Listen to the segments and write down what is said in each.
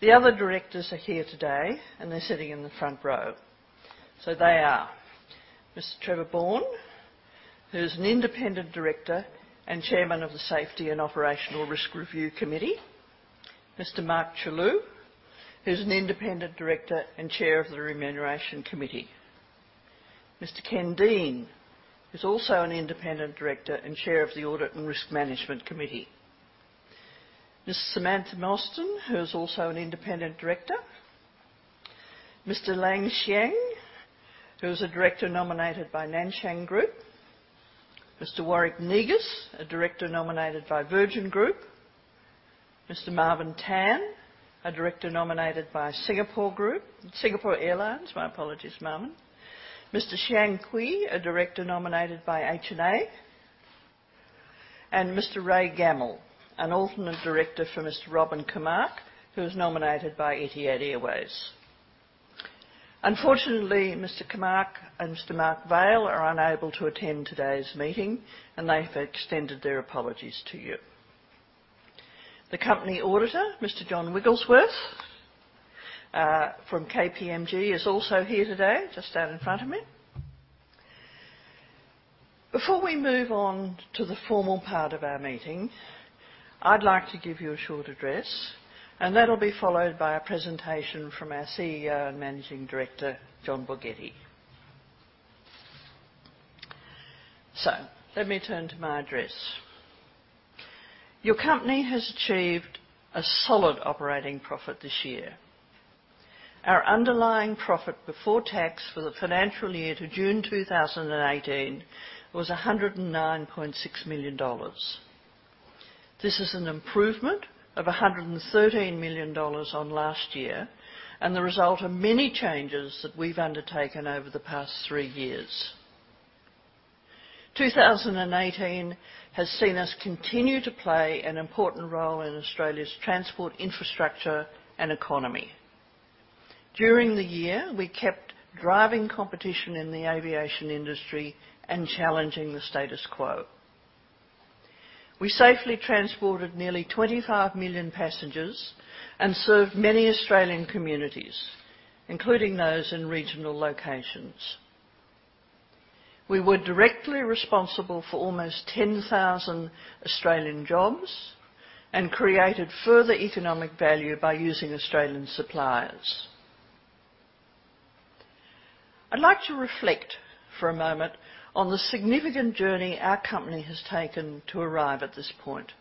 The other directors are here today and they're sitting in the front row. They are Mr. Trevor Bourne, who's an independent director and Chairman of the Safety and Operational Risk Review Committee. Mr. Mark Chellew, who's an independent director and Chair of the Remuneration Committee. Mr. Ken Dean, who's also an independent director and Chair of the Audit and Risk Management Committee. Ms. Samantha Mostyn, who is also an independent director. Mr. Lan Xiang, who is a director nominated by Nanshan Group. Mr. Warwick Negus, a director nominated by Virgin Group. Mr. Marvin Tan, a director nominated by Singapore Airlines, my apologies, Marvin. Mr. XIang Kui, a director nominated by HNA, and Mr. Ray Gammell, an alternate director for Mr. Robin Kamark, who is nominated by Etihad Airways. Unfortunately, Mr. Kamark and Mr. Mark Vaile are unable to attend today's meeting, and they have extended their apologies to you. The company auditor, Mr. John Wigglesworth, from KPMG is also here today, just out in front of me. Before we move on to the formal part of our meeting, I'd like to give you a short address, and that'll be followed by a presentation from our CEO and Managing Director, John Borghetti. Let me turn to my address. Your company has achieved a solid operating profit this year. Our underlying profit before tax for the financial year to June 2018 was 109.6 million dollars. This is an improvement of 113 million dollars on last year, and the result of many changes that we've undertaken over the past three years. 2018 has seen us continue to play an important role in Australia's transport infrastructure and economy. During the year, we kept driving competition in the aviation industry and challenging the status quo. We safely transported nearly 25 million passengers and served many Australian communities, including those in regional locations. We were directly responsible for almost 10,000 Australian jobs and created further economic value by using Australian suppliers. I'd like to reflect for a moment on the significant journey our company has taken to arrive at this point.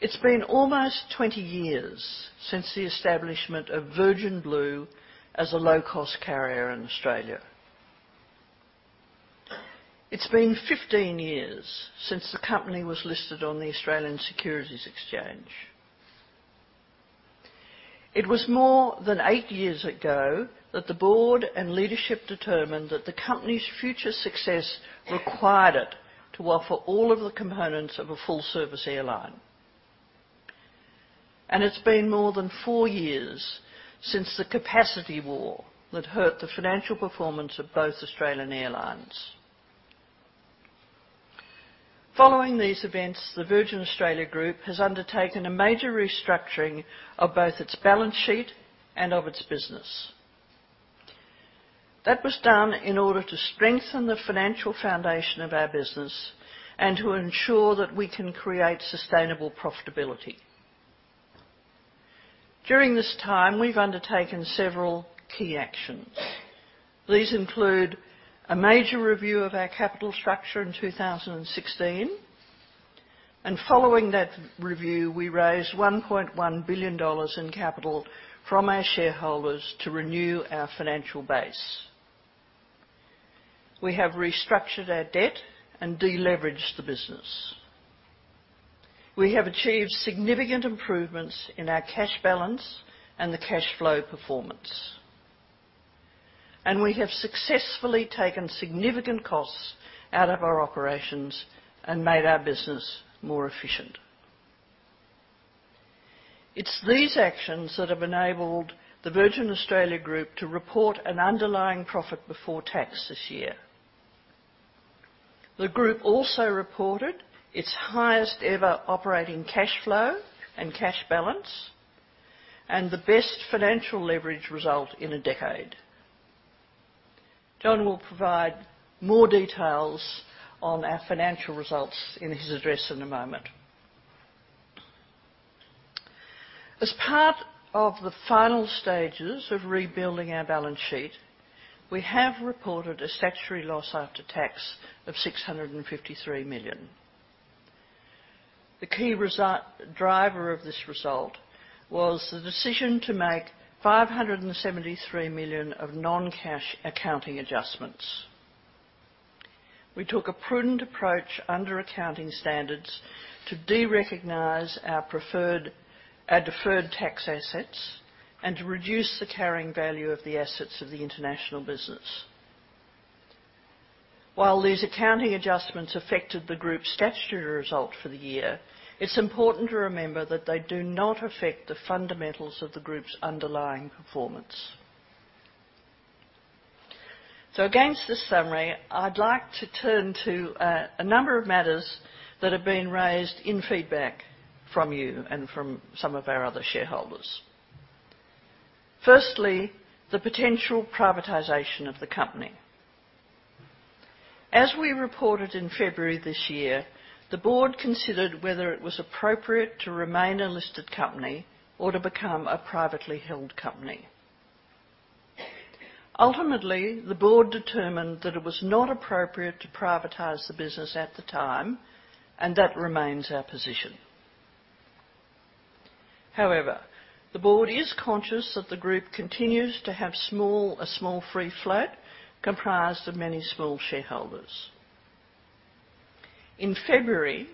It's been almost 20 years since the establishment of Virgin Blue as a low-cost carrier in Australia. It's been 15 years since the company was listed on the Australian Securities Exchange. It was more than eight years ago that the board and leadership determined that the company's future success required it to offer all of the components of a full-service airline. It's been more than four years since the capacity war that hurt the financial performance of both Australian airlines. Following these events, the Virgin Australia Group has undertaken a major restructuring of both its balance sheet and of its business. That was done in order to strengthen the financial foundation of our business and to ensure that we can create sustainable profitability. During this time, we've undertaken several key actions. These include a major review of our capital structure in 2016, and following that review, we raised 1.1 billion dollars in capital from our shareholders to renew our financial base. We have restructured our debt and de-leveraged the business. We have achieved significant improvements in our cash balance and the cash flow performance, and we have successfully taken significant costs out of our operations and made our business more efficient. It's these actions that have enabled the Virgin Australia Group to report an underlying profit before tax this year. The group also reported its highest ever operating cash flow and cash balance, and the best financial leverage result in a decade. John will provide more details on our financial results in his address in a moment. As part of the final stages of rebuilding our balance sheet, we have reported a statutory loss after tax of 653 million. The key driver of this result was the decision to make 573 million of non-cash accounting adjustments. We took a prudent approach under accounting standards to de-recognize our deferred tax assets and to reduce the carrying value of the assets of the international business. While these accounting adjustments affected the group's statutory result for the year, it's important to remember that they do not affect the fundamentals of the group's underlying performance. Against this summary, I'd like to turn to a number of matters that have been raised in feedback from you and from some of our other shareholders. Firstly, the potential privatization of the company. As we reported in February this year, the board considered whether it was appropriate to remain a listed company or to become a privately held company. Ultimately, the board determined that it was not appropriate to privatize the business at the time, and that remains our position. However, the board is conscious that the group continues to have a small free float comprised of many small shareholders. In February,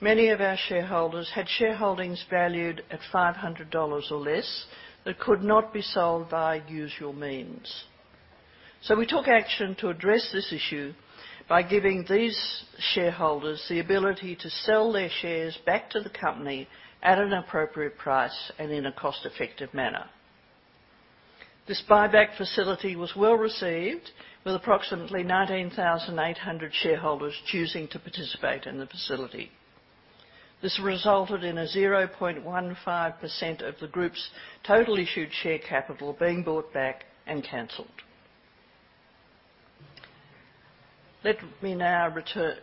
many of our shareholders had shareholdings valued at 500 dollars or less that could not be sold by usual means. We took action to address this issue by giving these shareholders the ability to sell their shares back to the company at an appropriate price and in a cost-effective manner. This buyback facility was well-received, with approximately 19,800 shareholders choosing to participate in the facility. This resulted in a 0.15% of the group's total issued share capital being bought back and canceled. Let me now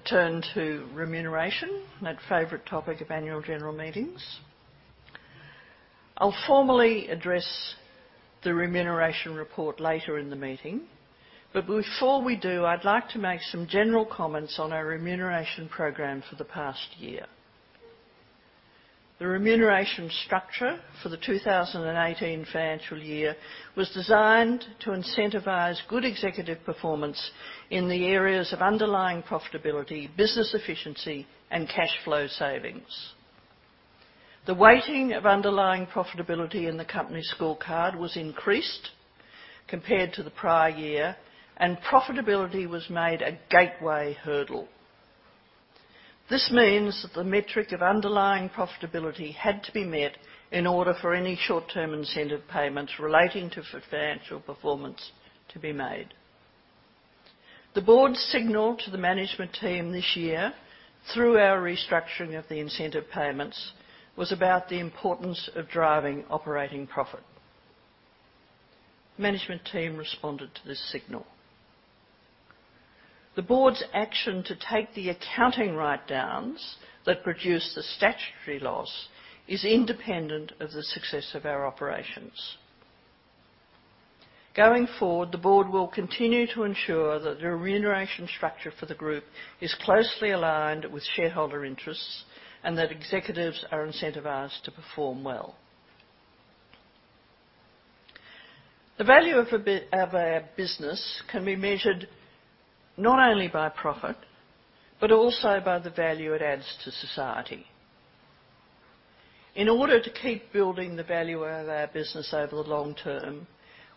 turn to remuneration, that favorite topic of annual general meetings. I'll formally address the remuneration report later in the meeting, but before we do, I'd like to make some general comments on our remuneration program for the past year. The remuneration structure for the 2018 financial year was designed to incentivize good executive performance in the areas of underlying profitability, business efficiency, and cash flow savings. The weighting of underlying profitability in the company scorecard was increased compared to the prior year, and profitability was made a gateway hurdle. This means that the metric of underlying profitability had to be met in order for any short-term incentive payments relating to financial performance to be made. The board's signal to the management team this year, through our restructuring of the incentive payments, was about the importance of driving operating profit. Management team responded to this signal. The board's action to take the accounting write-downs that produced the statutory loss is independent of the success of our operations. Going forward, the board will continue to ensure that the remuneration structure for the group is closely aligned with shareholder interests and that executives are incentivized to perform well. The value of our business can be measured not only by profit, but also by the value it adds to society. In order to keep building the value of our business over the long term,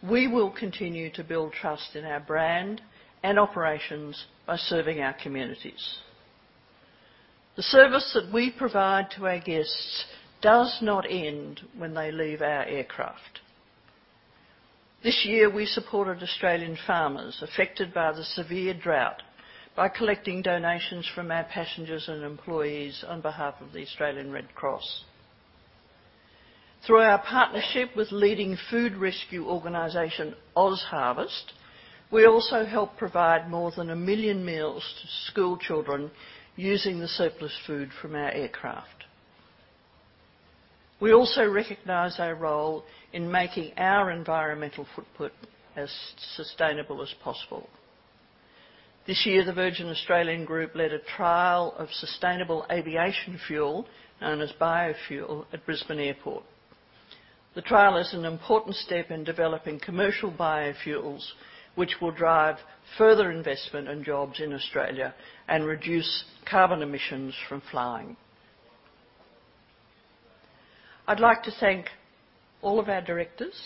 we will continue to build trust in our brand and operations by serving our communities. The service that we provide to our guests does not end when they leave our aircraft. This year, we supported Australian farmers affected by the severe drought by collecting donations from our passengers and employees on behalf of the Australian Red Cross. Through our partnership with leading food rescue organization OzHarvest, we also helped provide more than 1 million meals to schoolchildren using the surplus food from our aircraft. We also recognize our role in making our environmental footprint as sustainable as possible. This year, the Virgin Australia Group led a trial of sustainable aviation fuel, known as biofuel, at Brisbane Airport. The trial is an important step in developing commercial biofuels, which will drive further investment and jobs in Australia and reduce carbon emissions from flying. I'd like to thank all of our directors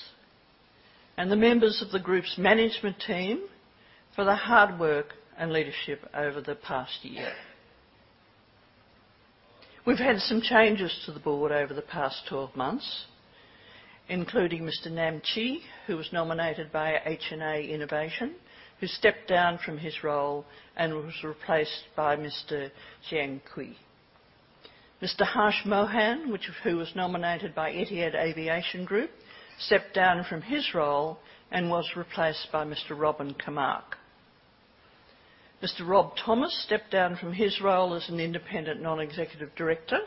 and the members of the group's management team for their hard work and leadership over the past year. We've had some changes to the board over the past 12 months, including Mr. Nang Qi, who was nominated by HNA Innovation, who stepped down from his role and was replaced by Mr. Zhang Kui. Mr. Harsh Mohan, who was nominated by Etihad Aviation Group, stepped down from his role and was replaced by Mr. Robin Kamark. Mr. Rob Thomas stepped down from his role as an independent non-executive director,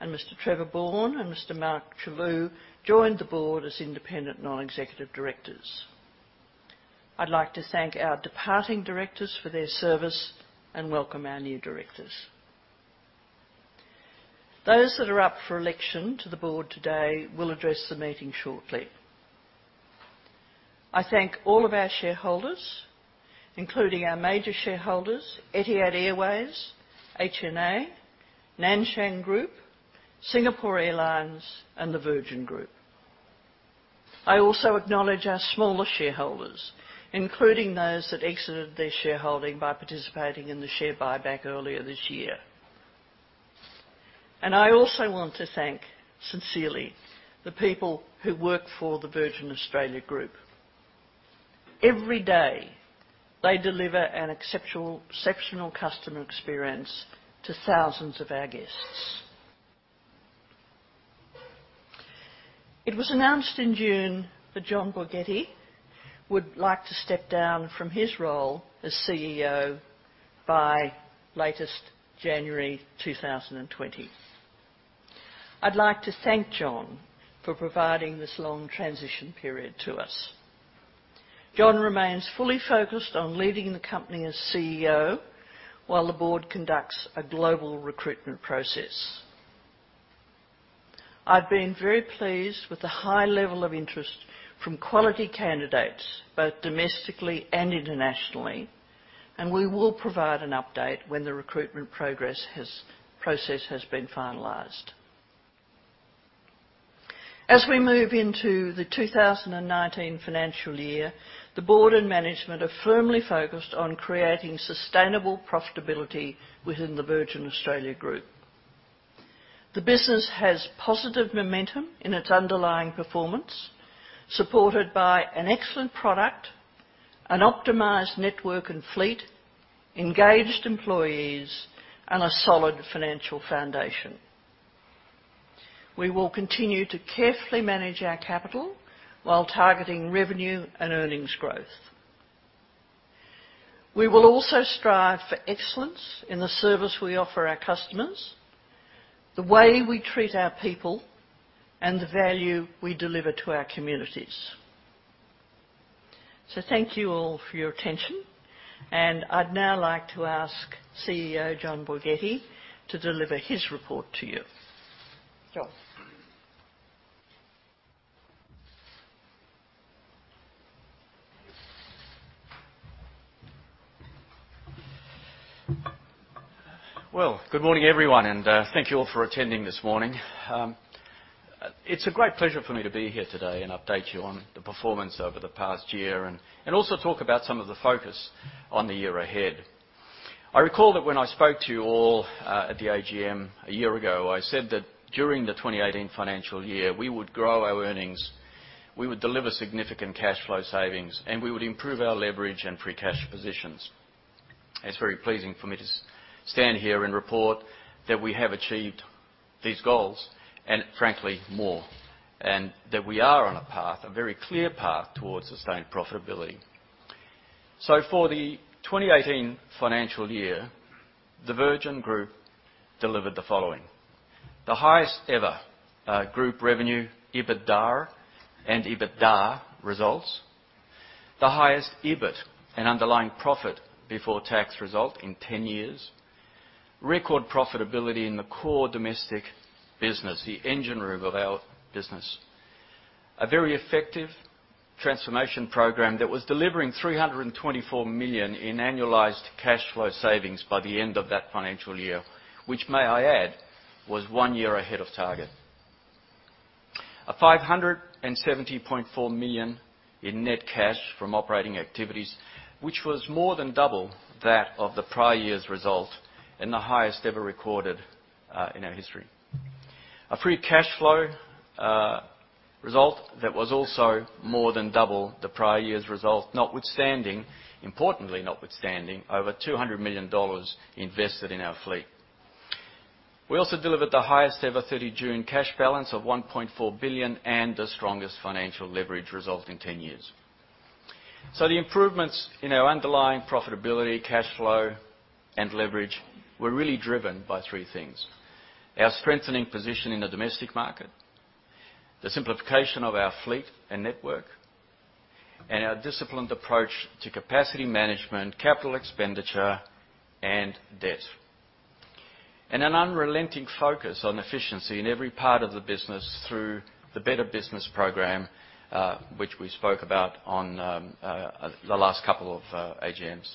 and Mr. Trevor Bourne and Mr. Mark Chellew joined the board as independent non-executive directors. I'd like to thank our departing directors for their service and welcome our new directors. Those that are up for election to the board today will address the meeting shortly. I thank all of our shareholders, including our major shareholders, Etihad Airways, HNA, Nanshan Group, Singapore Airlines, and the Virgin Group. I also acknowledge our smaller shareholders, including those that exited their shareholding by participating in the share buyback earlier this year. I also want to thank, sincerely, the people who work for the Virgin Australia Group. Every day, they deliver an exceptional customer experience to thousands of our guests. It was announced in June that John Borghetti would like to step down from his role as CEO by latest January 2020. I'd like to thank John for providing this long transition period to us. John remains fully focused on leading the company as CEO while the board conducts a global recruitment process. I've been very pleased with the high level of interest from quality candidates, both domestically and internationally, and we will provide an update when the recruitment process has been finalized. As we move into the 2019 financial year, the board and management are firmly focused on creating sustainable profitability within the Virgin Australia Group. The business has positive momentum in its underlying performance, supported by an excellent product, an optimized network and fleet, engaged employees, and a solid financial foundation. We will continue to carefully manage our capital while targeting revenue and earnings growth. We will also strive for excellence in the service we offer our customers, the way we treat our people, and the value we deliver to our communities. Thank you all for your attention, and I'd now like to ask CEO John Borghetti to deliver his report to you. John. Well, good morning, everyone, and thank you all for attending this morning. It's a great pleasure for me to be here today and update you on the performance over the past year and also talk about some of the focus on the year ahead. I recall that when I spoke to you all at the AGM a year ago, I said that during the 2018 financial year, we would grow our earnings, we would deliver significant cash flow savings, and we would improve our leverage and free cash positions. It's very pleasing for me to stand here and report that we have achieved these goals, and frankly, more, and that we are on a path, a very clear path, towards sustained profitability. For the 2018 financial year, the Virgin Group delivered the following. The highest ever group revenue, EBITDAR, and EBITDA results. The highest EBIT and underlying profit before tax result in 10 years. Record profitability in the core domestic business, the engine room of our business. A very effective transformation program that was delivering 324 million in annualized cash flow savings by the end of that financial year, which may I add, was one year ahead of target. 570.4 million in net cash from operating activities, which was more than double that of the prior year's result and the highest ever recorded in our history. A free cash flow result that was also more than double the prior year's result, notwithstanding, importantly notwithstanding, over 200 million dollars invested in our fleet. We also delivered the highest ever 30 June cash balance of 1.4 billion and the strongest financial leverage result in 10 years. The improvements in our underlying profitability, cash flow, and leverage were really driven by three things. Our strengthening position in the domestic market, the simplification of our fleet and network, and our disciplined approach to capacity management, capital expenditure, and debt. An unrelenting focus on efficiency in every part of the business through the Better Business Program, which we spoke about on the last couple of AGMs.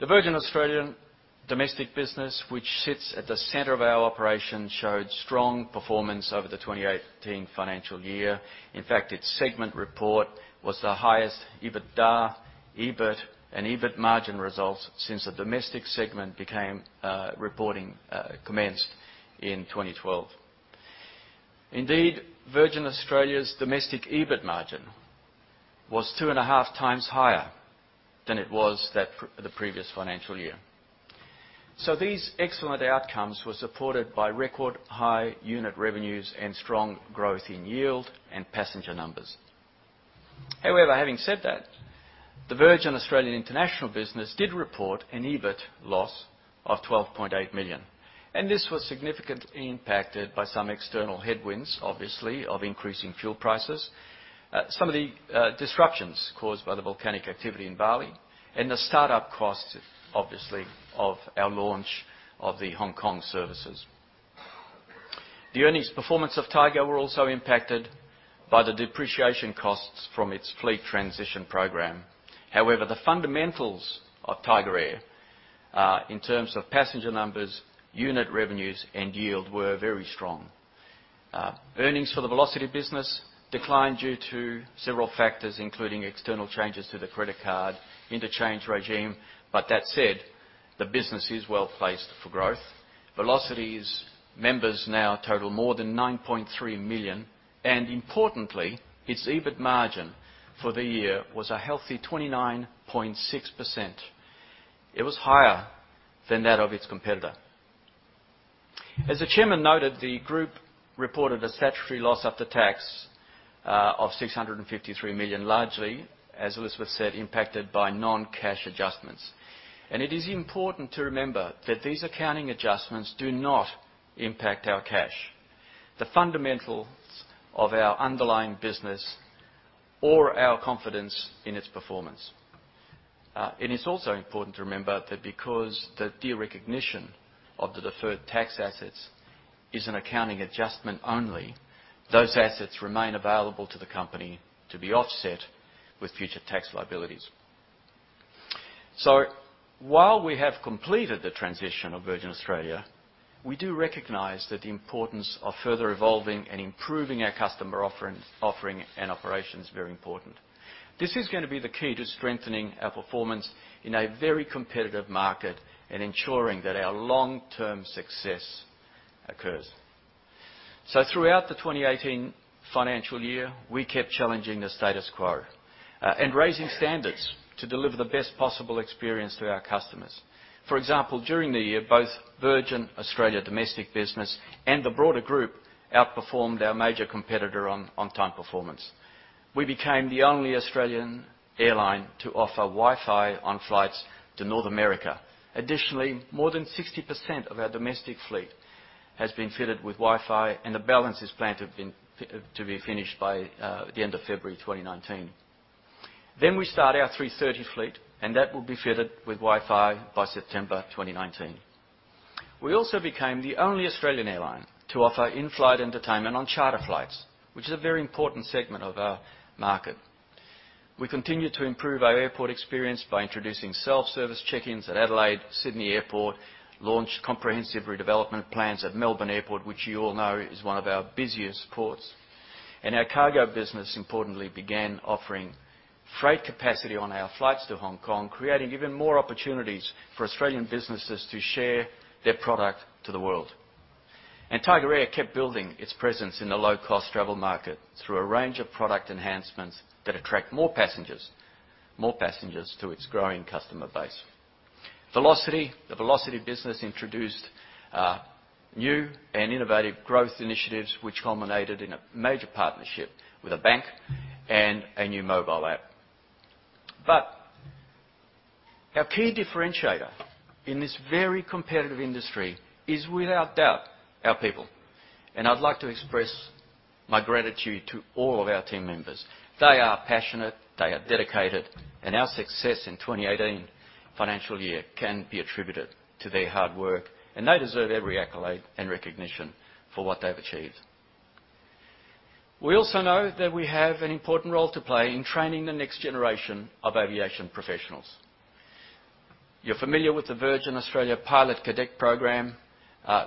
The Virgin Australia domestic business, which sits at the center of our operation, showed strong performance over the 2018 financial year. In fact, its segment report was the highest EBITDA, EBIT, and EBIT margin results since the domestic segment reporting commenced in 2012. Indeed, Virgin Australia's domestic EBIT margin was two and a half times higher than it was the previous financial year. These excellent outcomes were supported by record high unit revenues and strong growth in yield and passenger numbers. Having said that, the Virgin Australia international business did report an EBIT loss of 12.8 million, and this was significantly impacted by some external headwinds, obviously, of increasing fuel prices, some of the disruptions caused by the volcanic activity in Bali, and the startup cost, obviously, of our launch of the Hong Kong services. The earnings performance of Tigerair were also impacted by the depreciation costs from its fleet transition program. The fundamentals of Tigerair in terms of passenger numbers, unit revenues, and yield were very strong. Earnings for the Velocity business declined due to several factors, including external changes to the credit card interchange regime. That said, the business is well-placed for growth. Velocity's members now total more than 9.3 million, and importantly, its EBIT margin for the year was a healthy 29.6%. It was higher than that of its competitor. As the chairman noted, the group reported a statutory loss after tax of 653 million, largely, as Elizabeth said, impacted by non-cash adjustments. It is important to remember that these accounting adjustments do not impact our cash, the fundamentals of our underlying business, or our confidence in its performance. It's also important to remember that because the derecognition of the deferred tax assets is an accounting adjustment only, those assets remain available to the company to be offset with future tax liabilities. While we have completed the transition of Virgin Australia, we do recognize that the importance of further evolving and improving our customer offering and operation is very important. This is going to be the key to strengthening our performance in a very competitive market and ensuring that our long-term success occurs. Throughout the 2018 financial year, we kept challenging the status quo, and raising standards to deliver the best possible experience to our customers. For example, during the year, both Virgin Australia domestic business and the broader group outperformed our major competitor on on-time performance. We became the only Australian airline to offer Wi-Fi on flights to North America. Additionally, more than 60% of our domestic fleet has been fitted with Wi-Fi, and the balance is planned to be finished by the end of February 2019. We start our 330 fleet, and that will be fitted with Wi-Fi by September 2019. We also became the only Australian airline to offer in-flight entertainment on charter flights, which is a very important segment of our market. We continue to improve our airport experience by introducing self-service check-ins at Adelaide, Sydney Airport, launched comprehensive redevelopment plans at Melbourne Airport, which you all know is one of our busiest ports. Our cargo business, importantly, began offering freight capacity on our flights to Hong Kong, creating even more opportunities for Australian businesses to share their product to the world. Tigerair kept building its presence in the low-cost travel market through a range of product enhancements that attract more passengers to its growing customer base. Velocity, the Velocity business introduced new and innovative growth initiatives, which culminated in a major partnership with a bank and a new mobile app. Our key differentiator in this very competitive industry is without doubt, our people. I'd like to express my gratitude to all of our team members. They are passionate, they are dedicated, and our success in the 2018 financial year can be attributed to their hard work, and they deserve every accolade and recognition for what they've achieved. We also know that we have an important role to play in training the next generation of aviation professionals. You're familiar with the Virgin Australia Pilot Cadet program,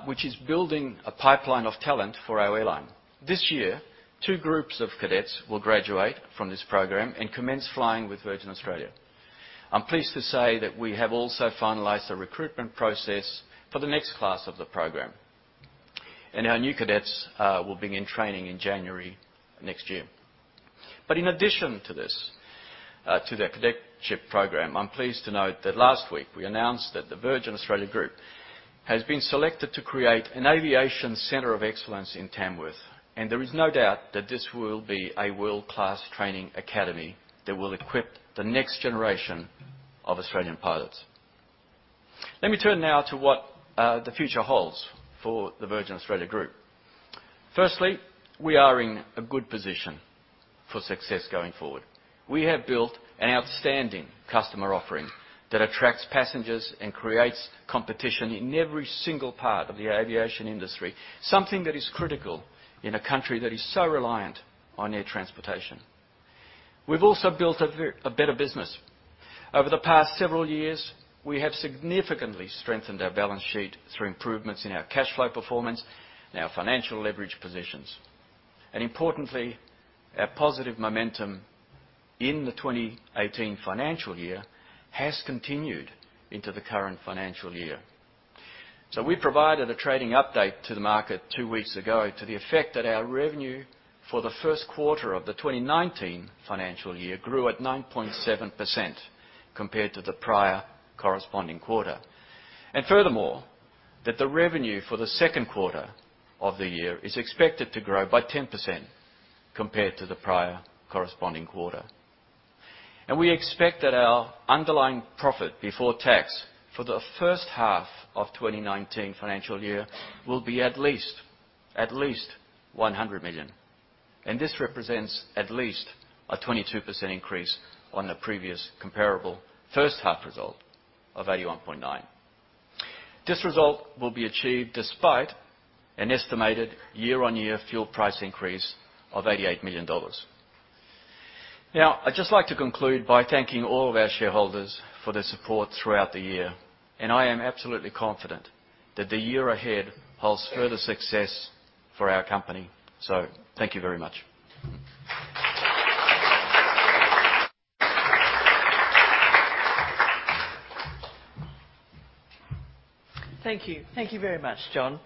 which is building a pipeline of talent for our airline. This year, two groups of cadets will graduate from this program and commence flying with Virgin Australia. I'm pleased to say that we have also finalized the recruitment process for the next class of the program. Our new cadets will begin training in January next year. In addition to the cadetship program, I'm pleased to note that last week we announced that the Virgin Australia Group has been selected to create an aviation center of excellence in Tamworth, and there is no doubt that this will be a world-class training academy that will equip the next generation of Australian pilots. Let me turn now to what the future holds for the Virgin Australia Group. Firstly, we are in a good position for success going forward. We have built an outstanding customer offering that attracts passengers and creates competition in every single part of the aviation industry, something that is critical in a country that is so reliant on air transportation. We've also built a better business. Over the past several years, we have significantly strengthened our balance sheet through improvements in our cash flow performance and our financial leverage positions. Importantly, our positive momentum in the 2018 financial year has continued into the current financial year. We provided a trading update to the market two weeks ago to the effect that our revenue for the first quarter of the 2019 financial year grew at 9.7% compared to the prior corresponding quarter. Furthermore, the revenue for the second quarter of the year is expected to grow by 10% compared to the prior corresponding quarter. We expect that our underlying profit before tax for the first half of the 2019 financial year will be at least 100 million. This represents at least a 22% increase on the previous comparable first half result of 81.9. This result will be achieved despite an estimated year-on-year fuel price increase of 88 million dollars. Now, I'd just like to conclude by thanking all of our shareholders for their support throughout the year, and I am absolutely confident that the year ahead holds further success for our company. Thank you very much. Thank you. Thank you very much, John.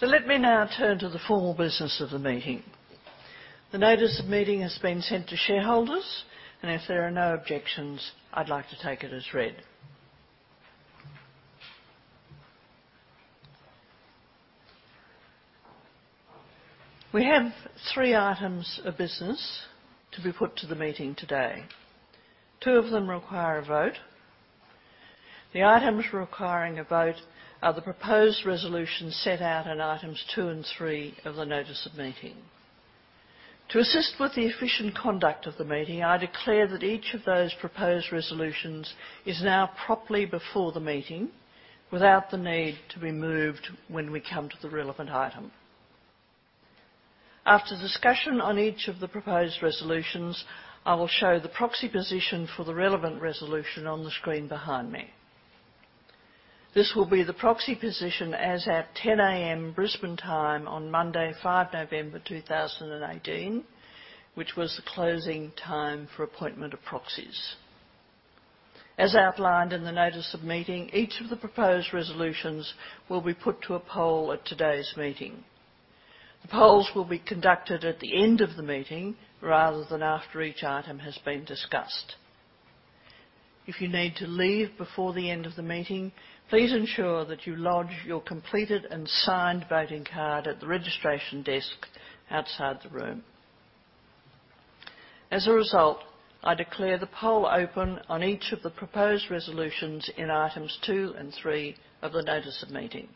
Let me now turn to the formal business of the meeting. The notice of meeting has been sent to shareholders, and if there are no objections, I'd like to take it as read. We have 3 items of business to be put to the meeting today. 2 of them require a vote. The items requiring a vote are the proposed resolutions set out in items 2 and 3 of the notice of meeting. To assist with the efficient conduct of the meeting, I declare that each of those proposed resolutions is now properly before the meeting without the need to be moved when we come to the relevant item. After discussion on each of the proposed resolutions, I will show the proxy position for the relevant resolution on the screen behind me. This will be the proxy position as at 10:00 A.M. Brisbane time on Monday, 5 November 2018, which was the closing time for appointment of proxies. As outlined in the notice of meeting, each of the proposed resolutions will be put to a poll at today's meeting. The polls will be conducted at the end of the meeting rather than after each item has been discussed. If you need to leave before the end of the meeting, please ensure that you lodge your completed and signed voting card at the registration desk outside the room. As a result, I declare the poll open on each of the proposed resolutions in items 2 and 3 of the notice of meeting.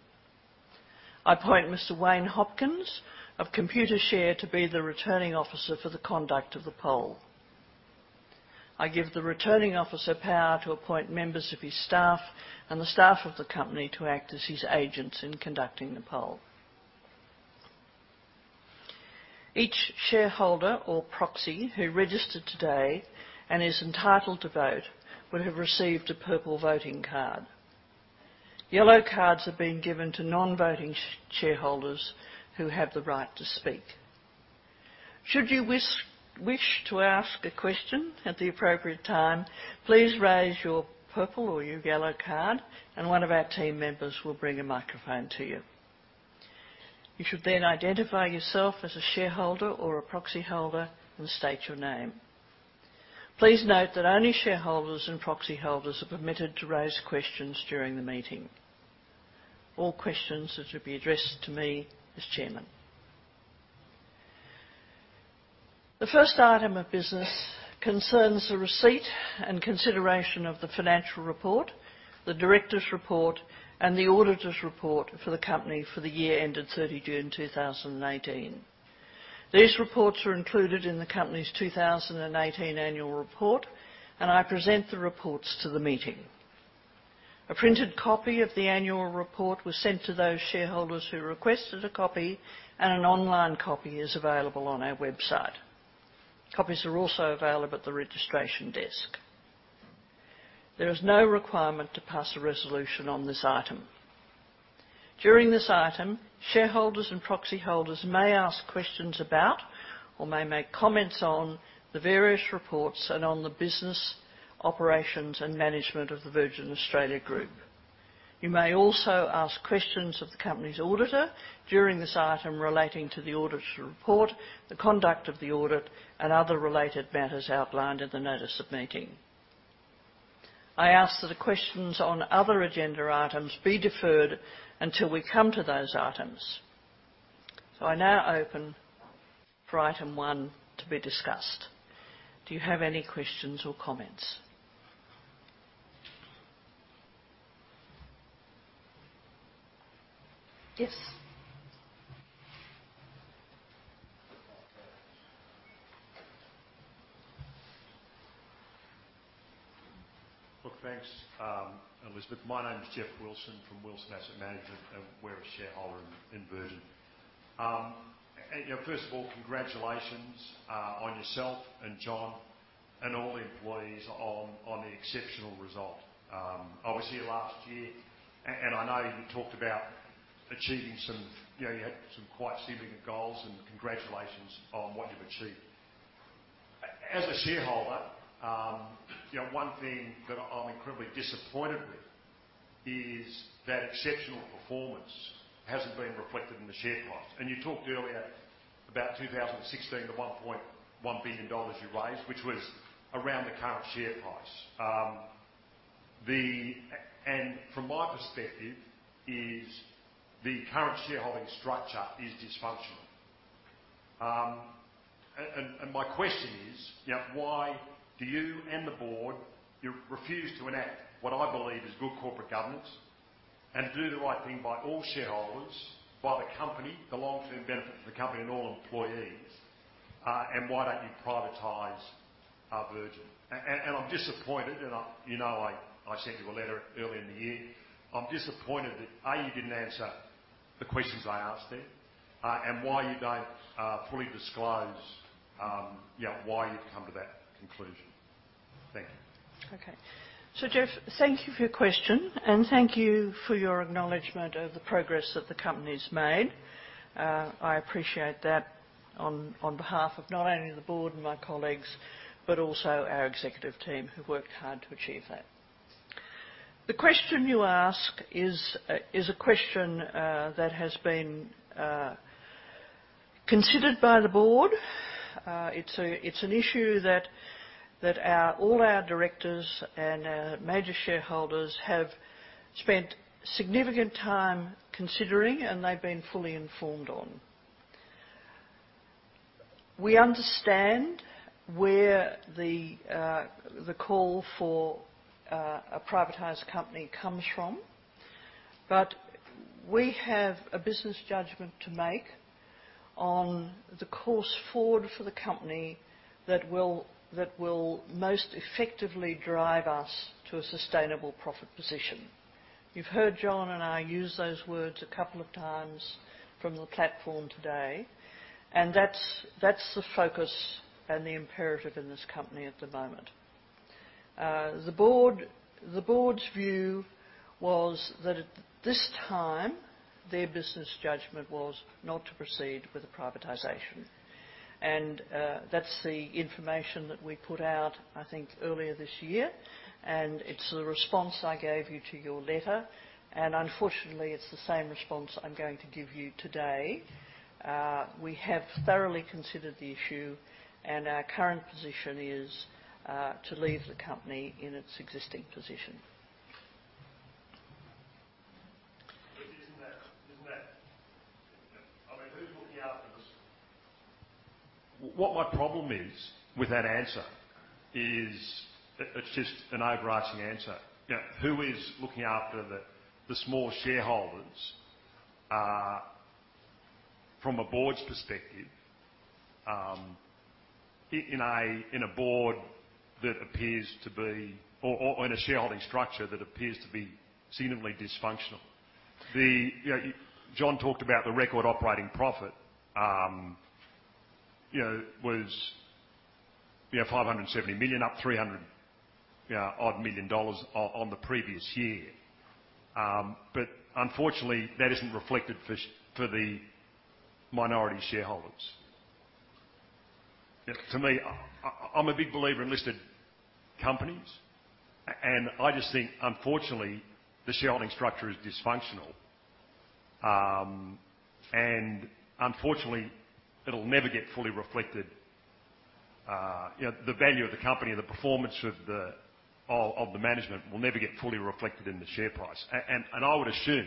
I appoint Mr. Wayne Hopkins of Computershare to be the Returning Officer for the conduct of the poll. I give the Returning Officer power to appoint members of his staff and the staff of the company to act as his agents in conducting the poll. Each shareholder or proxy who registered today and is entitled to vote will have received a purple voting card. Yellow cards are being given to non-voting shareholders who have the right to speak. Should you wish to ask a question at the appropriate time, please raise your purple or your yellow card, and one of our team members will bring a microphone to you. You should identify yourself as a shareholder or a proxyholder and state your name. Please note that only shareholders and proxyholders are permitted to raise questions during the meeting. All questions are to be addressed to me as chairman. The first item of business concerns the receipt and consideration of the financial report, the directors' report, and the auditor's report for the company for the year ended 30 June 2018. These reports are included in the company's 2018 annual report, and I present the reports to the meeting. A printed copy of the annual report was sent to those shareholders who requested a copy, and an online copy is available on our website. Copies are also available at the registration desk. There is no requirement to pass a resolution on this item. During this item, shareholders and proxyholders may ask questions about or may make comments on the various reports and on the business operations and management of the Virgin Australia Group. You may also ask questions of the company's auditor during this item relating to the auditor's report, the conduct of the audit, and other related matters outlined in the notice of meeting. I ask that the questions on other agenda items be deferred until we come to those items. I now open for item one to be discussed. Do you have any questions or comments? Yes. Look, thanks, Elizabeth. My name is Geoff Wilson from Wilson Asset Management, and we're a shareholder in Virgin. You know, first of all, congratulations on yourself and John and all the employees on the exceptional result. I was here last year and I know you talked about achieving some You know, you had some quite significant goals, and congratulations on what you've achieved. As a shareholder, you know, one thing that I'm incredibly disappointed with is that exceptional performance hasn't been reflected in the share price. You talked earlier about 2016, the 1.1 billion dollars you raised, which was around the current share price. From my perspective is the current shareholding structure is dysfunctional. My question is, you know, why do you and the board, you refuse to enact what I believe is good corporate governance and do the right thing by all shareholders, by the company, the long-term benefit for the company and all employees, and why don't you privatize Virgin. I'm disappointed, and you know I sent you a letter earlier in the year. I'm disappointed that, A, you didn't answer the questions I asked there, and why you don't fully disclose why you've come to that conclusion. Thank you. Okay. Geoff, thank you for your question, and thank you for your acknowledgement of the progress that the company's made. I appreciate that on behalf of not only the board and my colleagues, but also our executive team who worked hard to achieve that. The question you ask is a question that has been considered by the board. It's an issue that all our directors and our major shareholders have spent significant time considering, and they've been fully informed on. We understand where the call for a privatized company comes from, we have a business judgment to make on the course forward for the company that will most effectively drive us to a sustainable profit position. You've heard John and I use those words a couple of times from the platform today, that's the focus and the imperative in this company at the moment. The board's view was that at this time, their business judgment was not to proceed with the privatization. That's the information that we put out, I think, earlier this year, and it's the response I gave you to your letter, and unfortunately, it's the same response I'm going to give you today. We have thoroughly considered the issue, and our current position is to leave the company in its existing position. I mean, what my problem is with that answer is it's just an overarching answer. Who is looking after the small shareholders from a board's perspective in a board that appears to be, or in a shareholding structure that appears to be seemingly dysfunctional? John talked about the record operating profit was 570 million, up 300 odd million on the previous year. Unfortunately, that isn't reflected for the minority shareholders. To me, I'm a big believer in listed companies, and I just think, unfortunately, the shareholding structure is dysfunctional. Unfortunately, it'll never get fully reflected. The value of the company and the performance of the management will never get fully reflected in the share price. I would assume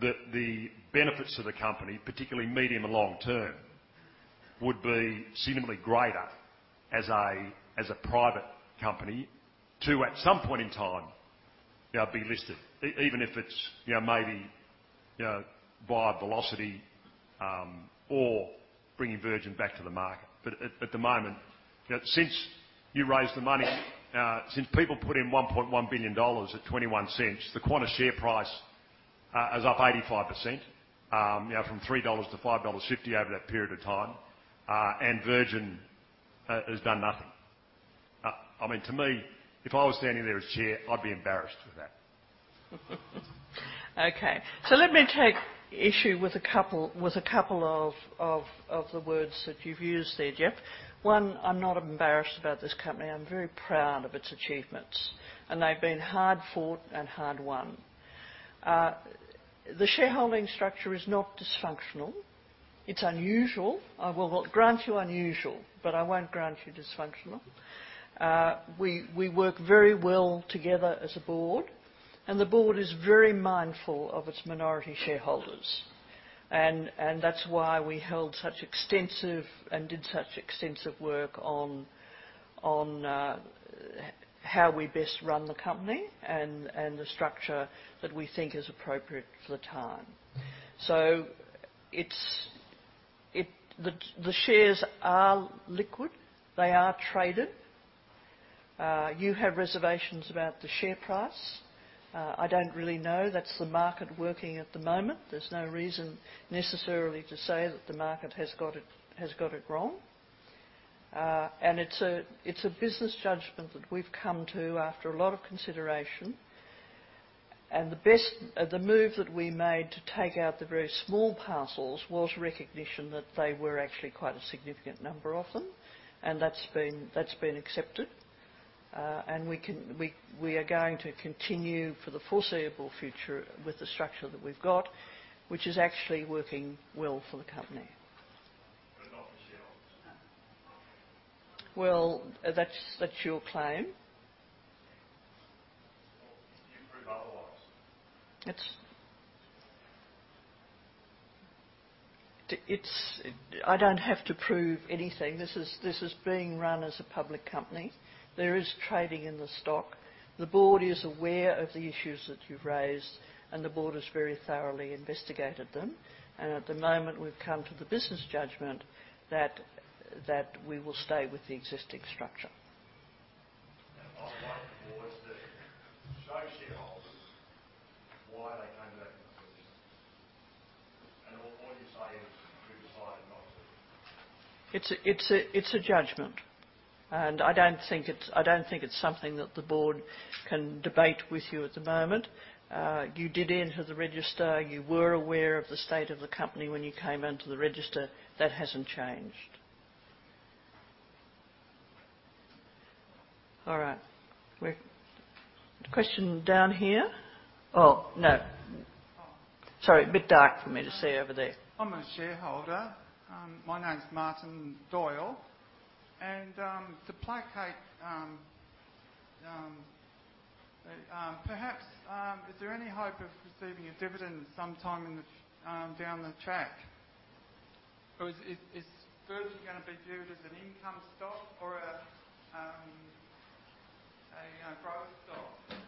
that the benefits to the company, particularly medium and long term, would be seemingly greater as a private company to, at some point in time, be listed, even if it's maybe via Velocity or bringing Virgin back to the market. At the moment, since you raised the money, since people put in 1.1 billion dollars at 0.21, the Qantas share price is up 85%, from 3 dollars to 5.50 dollars over that period of time, and Virgin has done nothing. To me, if I was standing there as chair, I'd be embarrassed with that. Okay. Let me take issue with a couple of the words that you've used there, Geoff. One, I'm not embarrassed about this company. I'm very proud of its achievements, and they've been hard fought and hard won. The shareholding structure is not dysfunctional. It's unusual. I will grant you unusual, but I won't grant you dysfunctional. We work very well together as a board, and the board is very mindful of its minority shareholders. That's why we held such extensive and did such extensive work on how we best run the company and the structure that we think is appropriate for the time. The shares are liquid. They are traded. You have reservations about the share price. I don't really know. That's the market working at the moment. There's no reason necessarily to say that the market has got it wrong. It's a business judgment that we've come to after a lot of consideration. The move that we made to take out the very small parcels was recognition that they were actually quite a significant number of them, and that's been accepted. We are going to continue for the foreseeable future with the structure that we've got, which is actually working well for the company. Not for shareholders. Well, that's your claim. Well, you prove otherwise. I don't have to prove anything. This is being run as a public company. There is trading in the stock. The board is aware of the issues that you've raised. The board has very thoroughly investigated them. At the moment, we've come to the business judgment that we will stay with the existing structure. It's a judgment. I don't think it's something that the board can debate with you at the moment. You did enter the register. You were aware of the state of the company when you came into the register. That hasn't changed. All right. Question down here. Oh, no. Oh. Sorry, a bit dark for me to see over there. I'm a shareholder. My name's Martin Doyle. To placate, perhaps, is there any hope of receiving a dividend sometime down the track? Is Virgin going to be viewed as an income stock or a growth stock?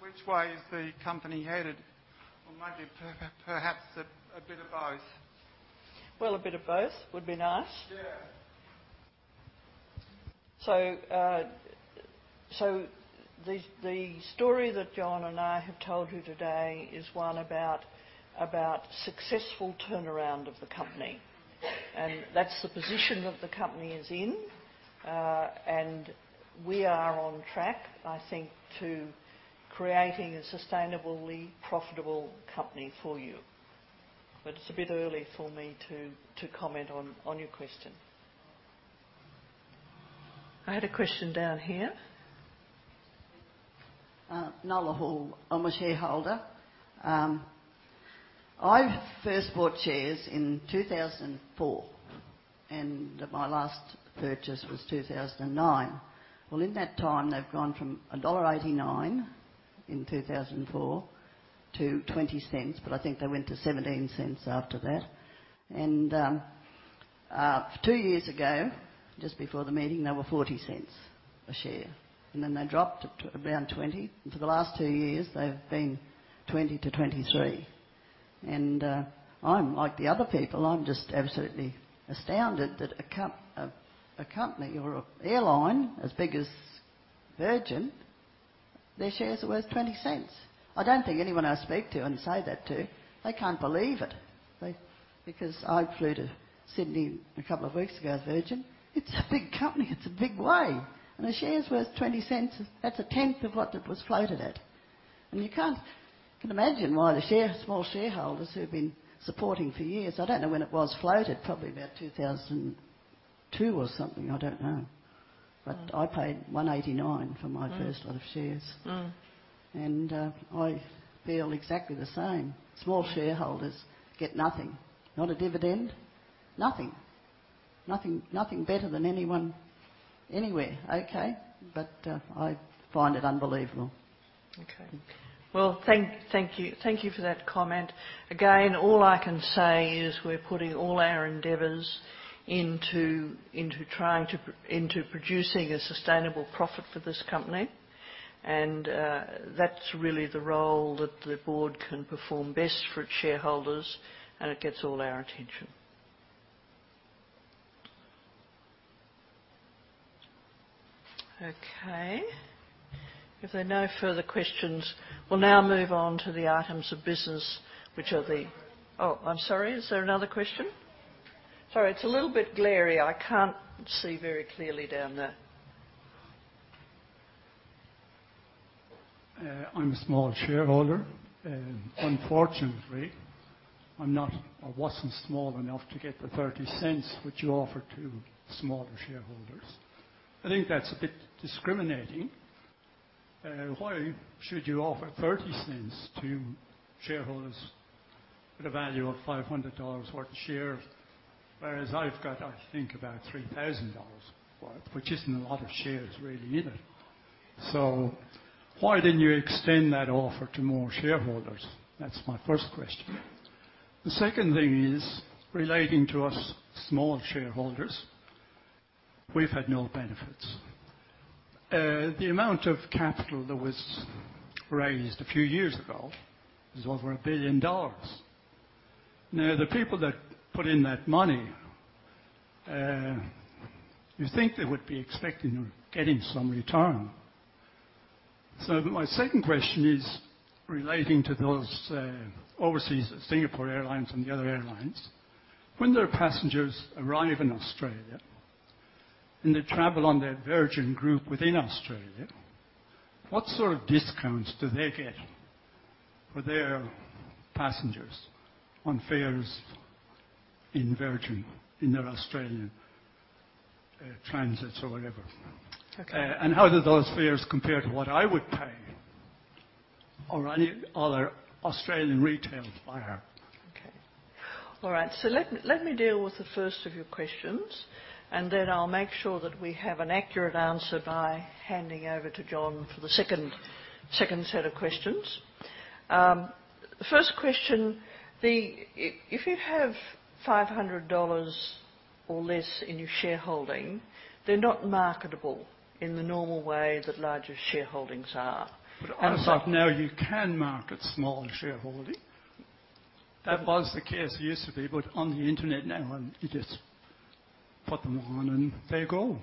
Which way is the company headed? Maybe perhaps a bit of both. Well, a bit of both would be nice. Yeah. The story that John and I have told you today is one about successful turnaround of the company. That's the position that the company is in. We are on track, I think, to creating a sustainably profitable company for you. It's a bit early for me to comment on your question. I had a question down here. Nola Hall. I'm a shareholder. I first bought shares in 2004, and my last purchase was 2009. Well, in that time, they've gone from dollar 1.89 in 2004 to 0.20, but I think they went to 0.17 after that. Two years ago, just before the meeting, they were 0.40 a share, then they dropped to around 0.20. For the last two years, they've been 0.20-0.23. I'm like the other people. I'm just absolutely astounded that a company or an airline as big as Virgin, their shares are worth 0.20. I don't think anyone I speak to and say that to, they can't believe it. I flew to Sydney a couple of weeks ago with Virgin. It's a big company. It's a big way. The share's worth 0.20. That's a tenth of what it was floated at. You can't imagine why the small shareholders who've been supporting for years, I don't know when it was floated, probably about 2002 or something, I don't know. I paid 1.89 for my first- lot of shares. I feel exactly the same. Small shareholders get nothing. Not a dividend, nothing. Nothing better than anyone anywhere. Okay. I find it unbelievable. Okay. Well, thank you for that comment. Again, all I can say is we're putting all our endeavors into producing a sustainable profit for this company, and that's really the role that the board can perform best for its shareholders, and it gets all our attention. Okay. If there are no further questions, we'll now move on to the items of business, which are the- I have. I'm sorry. Is there another question? It's a little bit glary. I can't see very clearly down there. I'm a small shareholder. Unfortunately, I wasn't small enough to get the 0.30 which you offered to smaller shareholders. I think that's a bit discriminating. Why should you offer 0.30 to shareholders with a value of 500 dollars worth of shares, whereas I've got, I think about 3,000 dollars worth, which isn't a lot of shares really, is it? Why didn't you extend that offer to more shareholders? That's my first question. The second thing is relating to us small shareholders. We've had no benefits. The amount of capital that was raised a few years ago is over 1 billion dollars. Now, the people that put in that money, you think they would be expecting or getting some return. My second question is relating to those overseas, Singapore Airlines and the other airlines. When their passengers arrive in Australia, they travel on that Virgin Group within Australia, what sort of discounts do they get for their passengers on fares in Virgin in their Australian transits or whatever? Okay. How do those fares compare to what I would pay or any other Australian retail buyer? Okay. All right. Let me deal with the first of your questions, and then I'll make sure that we have an accurate answer by handing over to John for the second set of questions. The first question, if you have 500 dollars or less in your shareholding, they're not marketable in the normal way that larger shareholdings are. As of now, you can market small shareholding. That was the case. It used to be. On the internet now, you just put them on, and they go.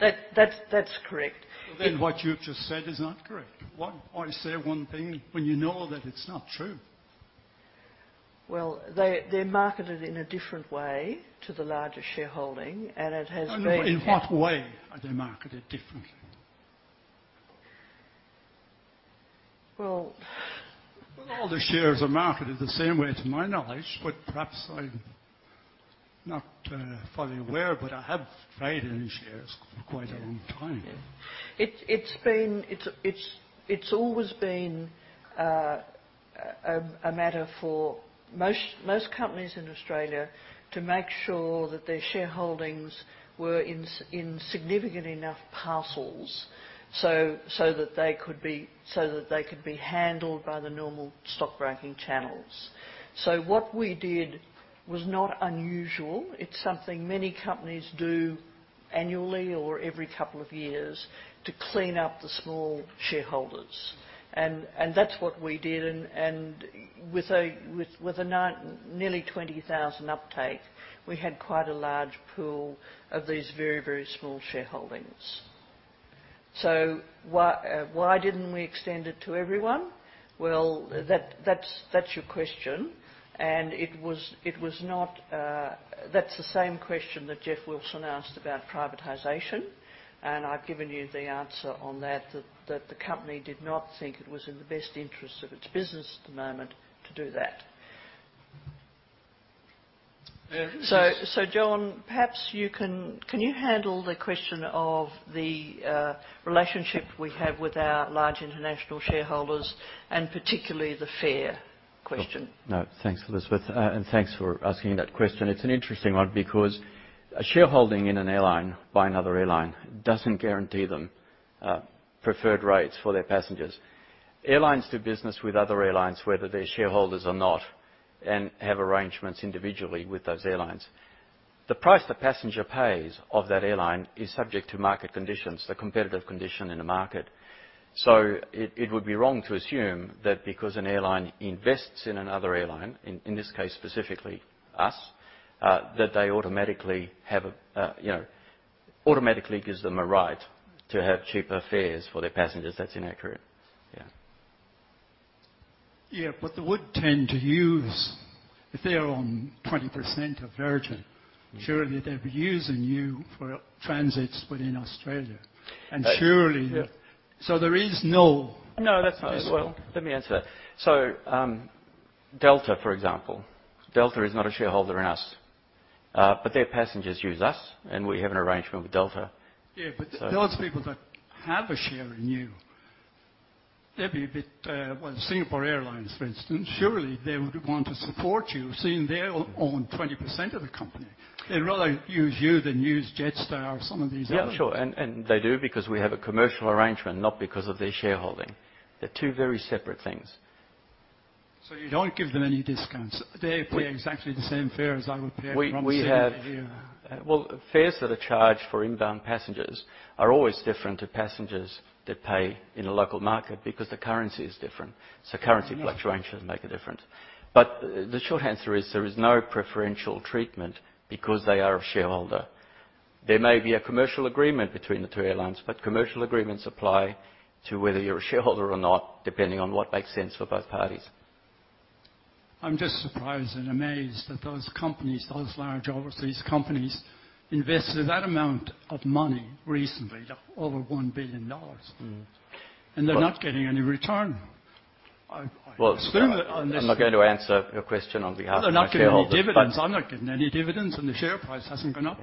Yes. That's correct. Well, what you've just said is not correct. Why say one thing when you know that it's not true? Well, they're marketed in a different way to the larger shareholding. In what way are they marketed differently? Well All the shares are marketed the same way to my knowledge, perhaps I'm not fully aware. I have traded in shares for quite a long time. It's always been a matter for most companies in Australia to make sure that their shareholdings were in significant enough parcels so that they could be handled by the normal stockbroking channels. What we did was not unusual. It's something many companies do annually or every couple of years to clean up the small shareholders. That's what we did. With a nearly 20,000 uptake, we had quite a large pool of these very, very small shareholdings. Why didn't we extend it to everyone? That's your question, and that's the same question that Geoff Wilson asked about privatization, and I've given you the answer on that the company did not think it was in the best interest of its business at the moment to do that. Yeah, but this- John, can you handle the question of the relationship we have with our large international shareholders, and particularly the fare question? No. Thanks, Elizabeth. Thanks for asking that question. It's an interesting one because a shareholding in an airline by another airline doesn't guarantee them preferred rates for their passengers. Airlines do business with other airlines, whether they're shareholders or not, and have arrangements individually with those airlines. The price the passenger pays of that airline is subject to market conditions, the competitive condition in the market. It would be wrong to assume that because an airline invests in another airline, in this case specifically us, that automatically gives them a right to have cheaper fares for their passengers. That's inaccurate. Yeah. Yeah. They would tend to use, if they own 20% of Virgin, surely they'd be using you for transits within Australia. Surely- Yeah. There is no- No, that's not. Well, let me answer that. Delta, for example. Delta is not a shareholder in us. Their passengers use us, and we have an arrangement with Delta. Yeah. Those people that have a share in you, they'd be a bit. Singapore Airlines, for instance. Surely they would want to support you, seeing they own 20% of the company. They'd rather use you than use Jetstar or some of these others. Yeah, sure. They do because we have a commercial arrangement, not because of their shareholding. They are two very separate things. You don't give them any discounts? They pay exactly the same fare as I would pay from Sydney to here. Fares that are charged for inbound passengers are always different to passengers that pay in a local market because the currency is different. Currency fluctuations. Yeah make a difference. The short answer is, there is no preferential treatment because they are a shareholder. There may be a commercial agreement between the two airlines, but commercial agreements apply to whether you're a shareholder or not, depending on what makes sense for both parties. I'm just surprised and amazed that those companies, those large overseas companies, invested that amount of money recently, over 1 billion dollars. They're not getting any return on it. I assume that unless. Well, I'm not going to answer a question on behalf of my shareholders. They're not getting any dividends. I'm not getting any dividends, and the share price hasn't gone up.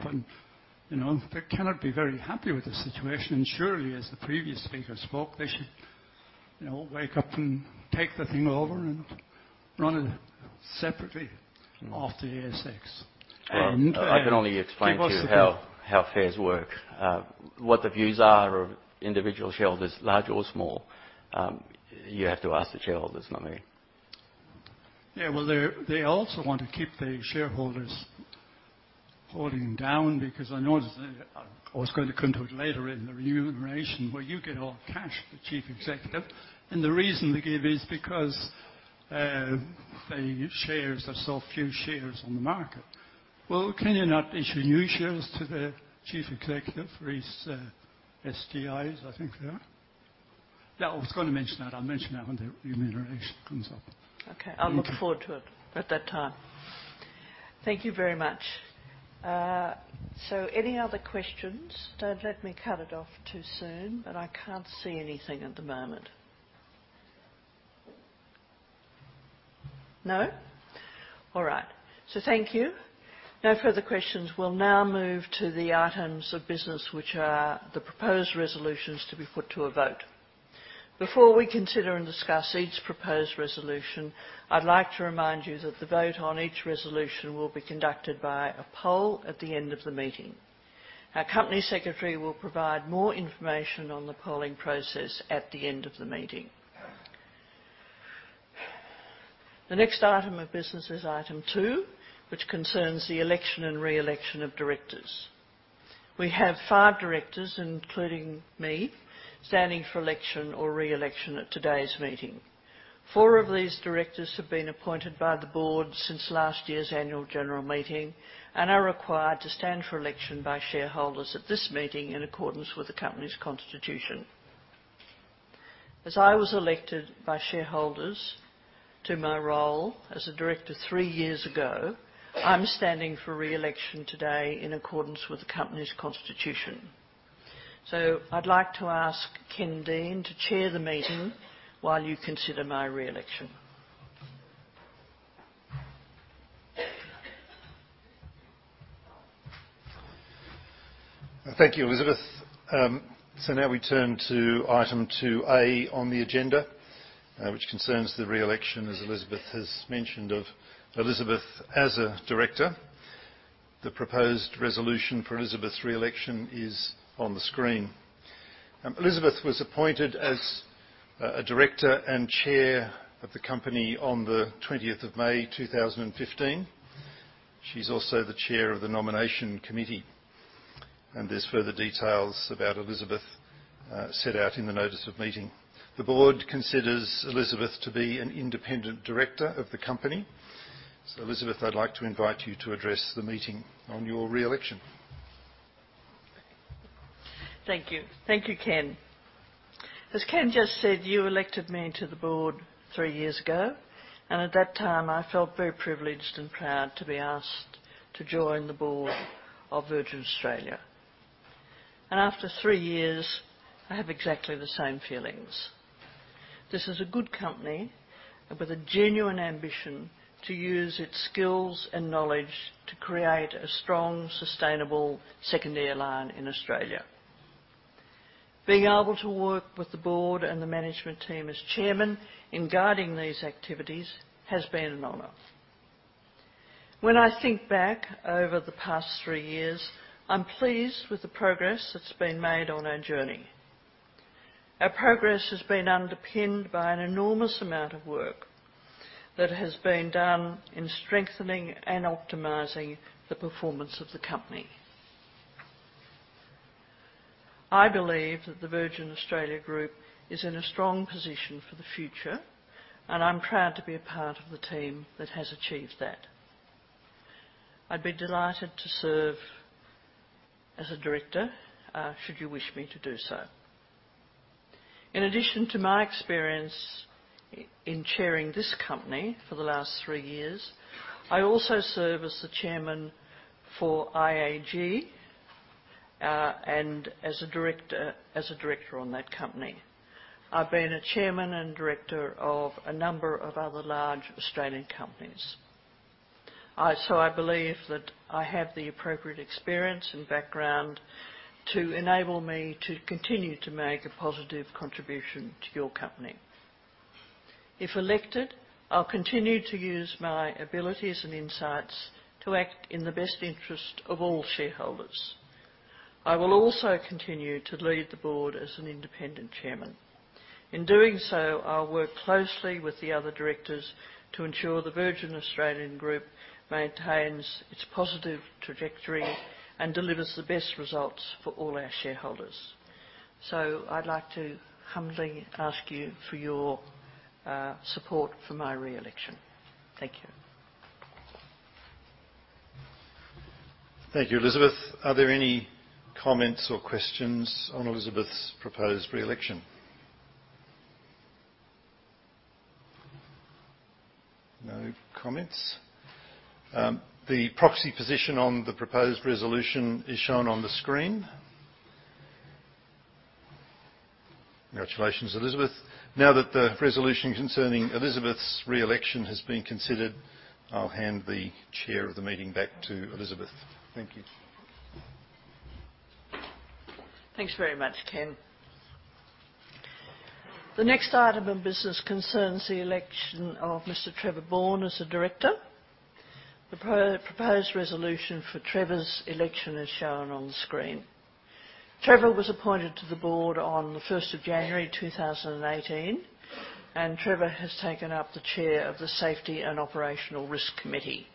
They cannot be very happy with the situation. Surely, as the previous speaker spoke, they should wake up and take the thing over and run it separately off the ASX. I can only explain to you how fares work. What the views are of individual shareholders, large or small, you have to ask the shareholders, not me. Yeah. They also want to keep the shareholders' holding down because I noticed I was going to come to it later in the remuneration, where you get all the cash, the chief executive. The reason they give is because there's so few shares on the market. Can you not issue new shares to the chief executive for his STI? I think they are. I was going to mention that. I'll mention that when the remuneration comes up. I'll look forward to it at that time. Thank you very much. Any other questions? Don't let me cut it off too soon. I can't see anything at the moment. No. All right. Thank you. No further questions. We'll now move to the items of business, which are the proposed resolutions to be put to a vote. Before we consider and discuss each proposed resolution, I'd like to remind you that the vote on each resolution will be conducted by a poll at the end of the meeting. Our company secretary will provide more information on the polling process at the end of the meeting. The next item of business is item two, which concerns the election and re-election of directors. We have five directors, including me, standing for election or re-election at today's meeting. Four of these directors have been appointed by the board since last year's annual general meeting, and are required to stand for election by shareholders at this meeting in accordance with the company's constitution. As I was elected by shareholders to my role as a director three years ago, I'm standing for re-election today in accordance with the company's constitution. I'd like to ask Ken Dean to chair the meeting while you consider my re-election. Thank you, Elizabeth. Now we turn to item 2A on the agenda, which concerns the re-election, as Elizabeth has mentioned, of Elizabeth as a director. The proposed resolution for Elizabeth's re-election is on the screen. Elizabeth was appointed as a director and chair of the company on the 20th of May 2015. She's also the chair of the nomination committee. There's further details about Elizabeth set out in the notice of meeting. The board considers Elizabeth to be an independent director of the company. Elizabeth, I'd like to invite you to address the meeting on your re-election. Thank you. Thank you, Ken. As Ken just said, you elected me to the board three years ago, and at that time, I felt very privileged and proud to be asked to join the board of Virgin Australia. After three years, I have exactly the same feelings. This is a good company with a genuine ambition to use its skills and knowledge to create a strong, sustainable second airline in Australia. Being able to work with the board and the management team as chairman in guiding these activities has been an honor. When I think back over the past three years, I'm pleased with the progress that's been made on our journey. Our progress has been underpinned by an enormous amount of work that has been done in strengthening and optimizing the performance of the company. I believe that the Virgin Australia Group is in a strong position for the future, and I'm proud to be a part of the team that has achieved that. I'd be delighted to serve as a director, should you wish me to do so. In addition to my experience in chairing this company for the last three years, I also serve as the chairman for IAG, and as a director on that company. I've been a chairman and director of a number of other large Australian companies. I believe that I have the appropriate experience and background to enable me to continue to make a positive contribution to your company. If elected, I'll continue to use my abilities and insights to act in the best interest of all shareholders. I will also continue to lead the board as an independent chairman. In doing so, I'll work closely with the other directors to ensure the Virgin Australia Group maintains its positive trajectory and delivers the best results for all our shareholders. I'd like to humbly ask you for your support for my re-election. Thank you. Thank you, Elizabeth. Are there any comments or questions on Elizabeth's proposed re-election? No comments. The proxy position on the proposed resolution is shown on the screen. Congratulations, Elizabeth. Now that the resolution concerning Elizabeth's re-election has been considered, I'll hand the chair of the meeting back to Elizabeth. Thank you. Thanks very much, Ken. The next item of business concerns the election of Mr Trevor Bourne as a director. The proposed resolution for Trevor's election is shown on the screen. Trevor was appointed to the board on the 1st of January 2018, and Trevor has taken up the chair of the Safety and Operational Risk Committee.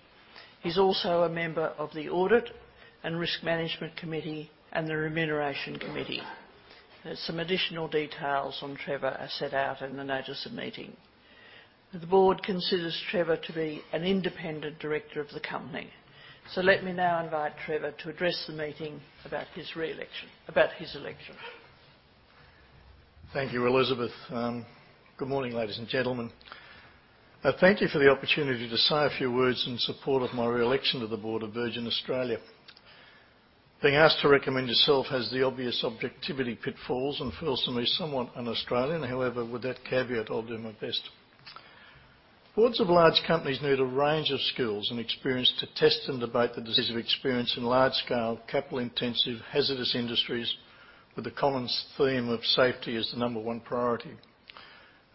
He's also a member of the Audit and Risk Management Committee and the Remuneration Committee. There's some additional details on Trevor are set out in the notice of meeting. The board considers Trevor to be an independent director of the company. Let me now invite Trevor to address the meeting about his election. Thank you, Elizabeth. Good morning, ladies and gentlemen. Thank you for the opportunity to say a few words in support of my re-election to the board of Virgin Australia. Being asked to recommend yourself has the obvious objectivity pitfalls and feels to me somewhat un-Australian. However, with that caveat, I'll do my best. Boards of large companies need a range of skills and experience to test and debate the decisive experience in large-scale, capital-intensive, hazardous industries with the common theme of safety as the number one priority.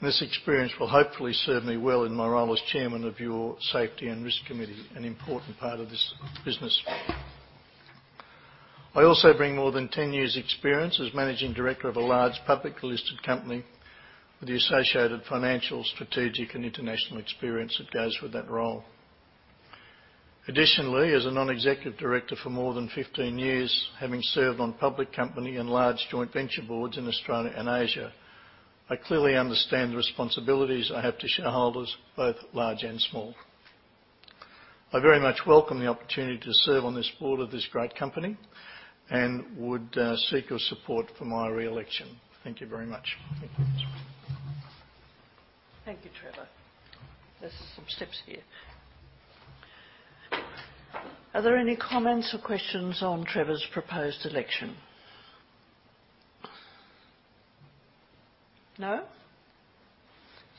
This experience will hopefully serve me well in my role as chairman of your Safety and Risk Committee, an important part of this business. I also bring more than 10 years' experience as managing director of a large public listed company with the associated financial, strategic, and international experience that goes with that role. Additionally, as a non-executive director for more than 15 years, having served on public company and large joint venture boards in Australia and Asia, I clearly understand the responsibilities I have to shareholders, both large and small. I very much welcome the opportunity to serve on this board of this great company, and would seek your support for my re-election. Thank you very much. Thank you, Trevor. There's some steps here. Are there any comments or questions on Trevor's proposed election? No?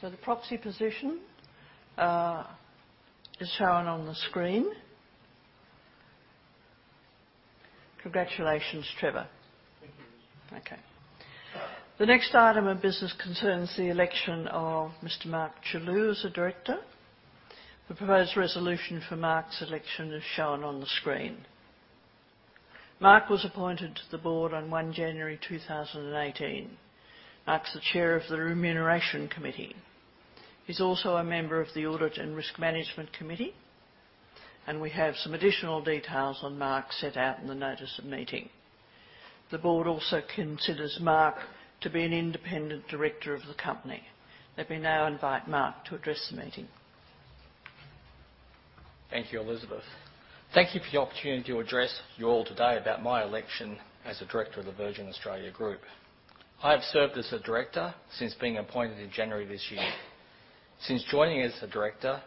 The proxy position is shown on the screen. Congratulations, Trevor. Thank you. Okay. The next item of business concerns the election of Mr Mark Chellew as a director. The proposed resolution for Mark's election is shown on the screen. Mark was appointed to the board on 1 January 2018. Mark's the chair of the Remuneration Committee. He's also a member of the Audit and Risk Management Committee. We have some additional details on Mark set out in the notice of meeting. The board also considers Mark to be an independent director of the company. Let me now invite Mark to address the meeting. Thank you, Elizabeth. Thank you for the opportunity to address you all today about my election as a director of the Virgin Australia Group. I have served as a director since being appointed in January this year. Since joining as a director,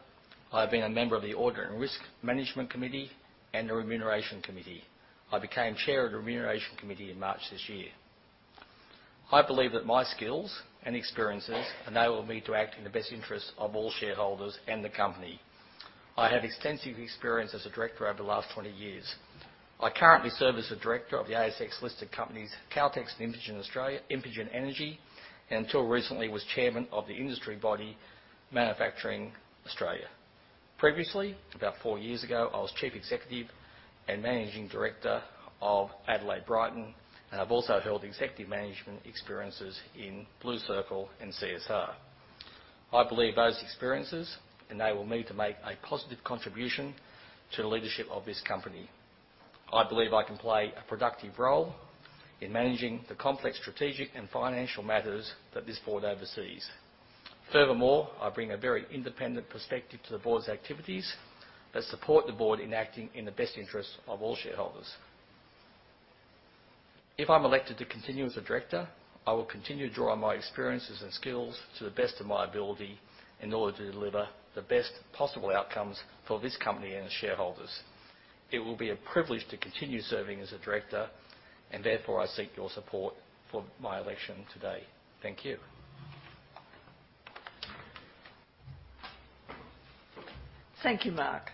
I have been a member of the Audit and Risk Management Committee and the Remuneration Committee. I became chair of the Remuneration Committee in March this year. I believe that my skills and experiences enable me to act in the best interest of all shareholders and the company. I have extensive experience as a director over the last 20 years. I currently serve as a director of the ASX-listed companies Caltex and Infigen Energy, and until recently was chairman of the industry body Manufacturing Australia. Previously, about four years ago, I was chief executive and managing director of Adelaide Brighton, and I've also held executive management experiences in Blue Circle and CSR. I believe those experiences enable me to make a positive contribution to the leadership of this company. I believe I can play a productive role in managing the complex strategic and financial matters that this board oversees. I bring a very independent perspective to the board's activities that support the board in acting in the best interest of all shareholders. If I'm elected to continue as a director, I will continue to draw on my experiences and skills to the best of my ability in order to deliver the best possible outcomes for this company and its shareholders. It will be a privilege to continue serving as a director, and therefore I seek your support for my election today. Thank you. Thank you, Mark.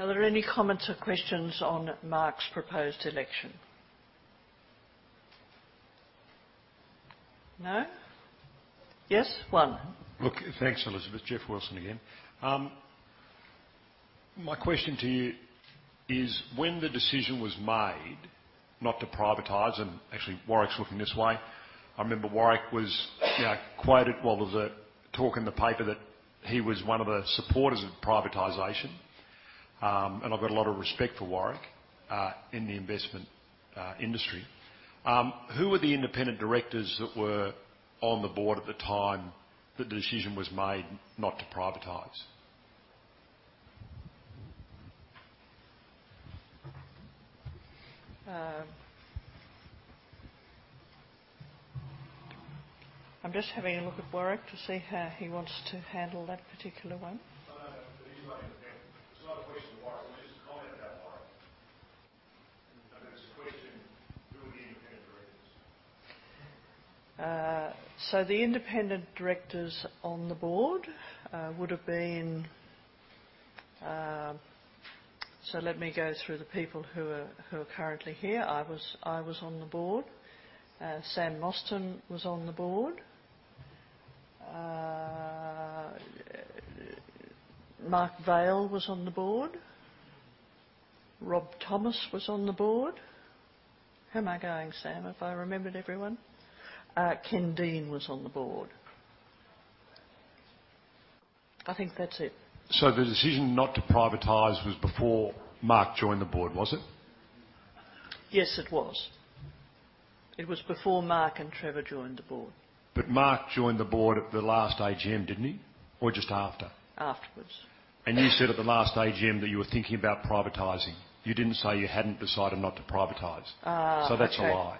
Are there any comments or questions on Mark's proposed election? No? Yes, one. Thanks, Elizabeth. Geoff Wilson again. My question to you is when the decision was made not to privatize. Warwick's looking this way. I remember Warwick was quoted. There was a talk in the paper that he was one of the supporters of privatization. I've got a lot of respect for Warwick in the investment industry. Who were the independent directors that were on the board at the time that the decision was made not to privatize? I'm just having a look at Warwick Negus to see how he wants to handle that particular one. No, but he's not independent. It's not a question for Warwick Negus. It was just a comment about Warwick Negus. No, there was a question, who were the independent directors? The independent directors on the board would have been Let me go through the people who are currently here. I was on the board. Samantha Mostyn was on the board. Mark Vaile was on the board. Rob Thomas was on the board. How am I going, Sam? Have I remembered everyone? Ken Dean was on the board. I think that's it. The decision not to privatize was before Mark joined the board, was it? Yes, it was. It was before Mark and Trevor joined the board. Mark joined the board at the last AGM, didn't he? Just after? Afterwards. You said at the last AGM that you were thinking about privatizing. You didn't say you hadn't decided not to privatize. Okay. That's a lie.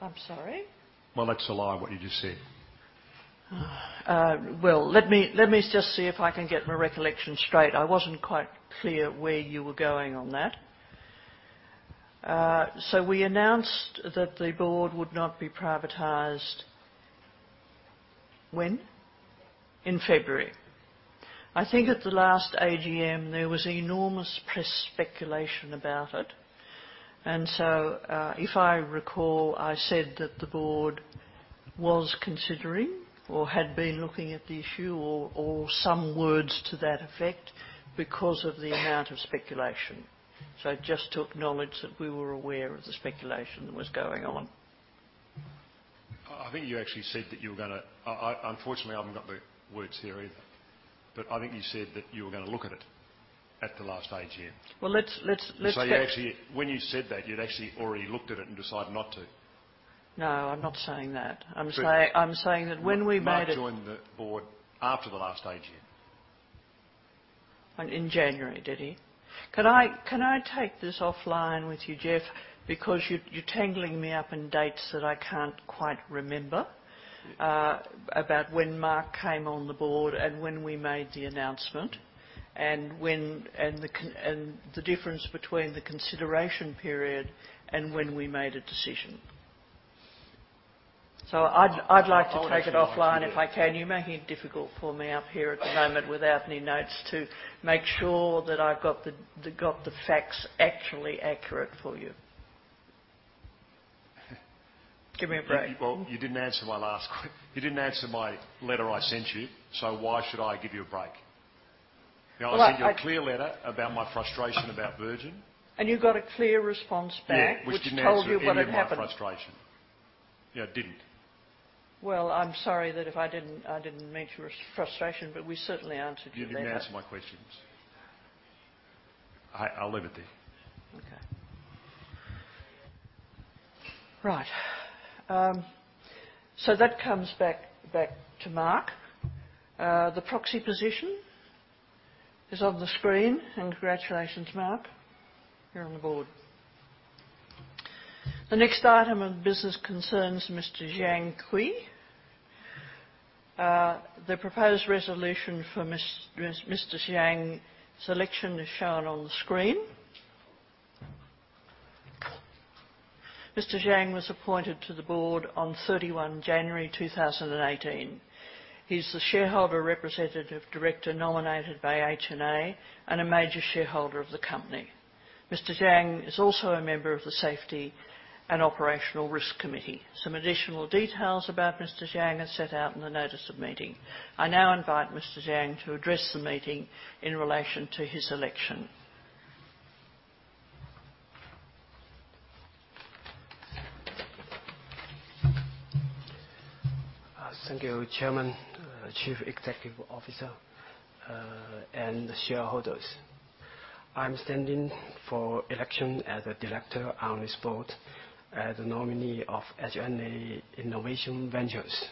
I'm sorry? That's a lie, what you just said. Let me just see if I can get my recollection straight. I wasn't quite clear where you were going on that. We announced that the board would not be privatized, when? In February. In February. I think at the last AGM, there was enormous press speculation about it. If I recall, I said that the board was considering or had been looking at the issue or some words to that effect because of the amount of speculation. Just to acknowledge that we were aware of the speculation that was going on. I think you actually said that you were unfortunately, I haven't got the words here either, but I think you said that you were going to look at it at the last AGM. Well, You actually, when you said that, you'd actually already looked at it and decided not to. No, I'm not saying that. I'm saying that when we made it. Mark joined the board after the last AGM. In January, did he? Can I take this offline with you, Geoff? You're tangling me up in dates that I can't quite remember about when Mark came on the board and when we made the announcement and the difference between the consideration period and when we made a decision. I'd like to take it offline if I can. You're making it difficult for me up here at the moment without any notes to make sure that I've got the facts actually accurate for you. Give me a break. Well, you didn't answer my letter I sent you, why should I give you a break? Well. I sent you a clear letter about my frustration about Virgin. You got a clear response back. Yeah which told you what had happened. Which didn't answer any of my frustration. It didn't. Well, I'm sorry that if I didn't meet your frustration, we certainly answered your letter. You didn't answer my questions. I'll leave it there. Okay. Right. That comes back to Mark. The proxy position is on the screen. Congratulations, Mark. You're on the board. The next item of business concerns Mr. Xiang Cui. The proposed resolution for Mr. Xiang's election is shown on the screen. Mr. Xiang was appointed to the board on 31 January 2018. He's the shareholder representative director nominated by HNA and a major shareholder of the company. Mr. Xiang is also a member of the Safety and Operational Risk Committee. Some additional details about Mr. Xiang are set out in the notice of meeting. I now invite Mr. Xiang to address the meeting in relation to his election. Thank you, Chairman, Chief Executive Officer, and shareholders. I'm standing for election as a director on this board as a nominee of HNA Innovation Ventures.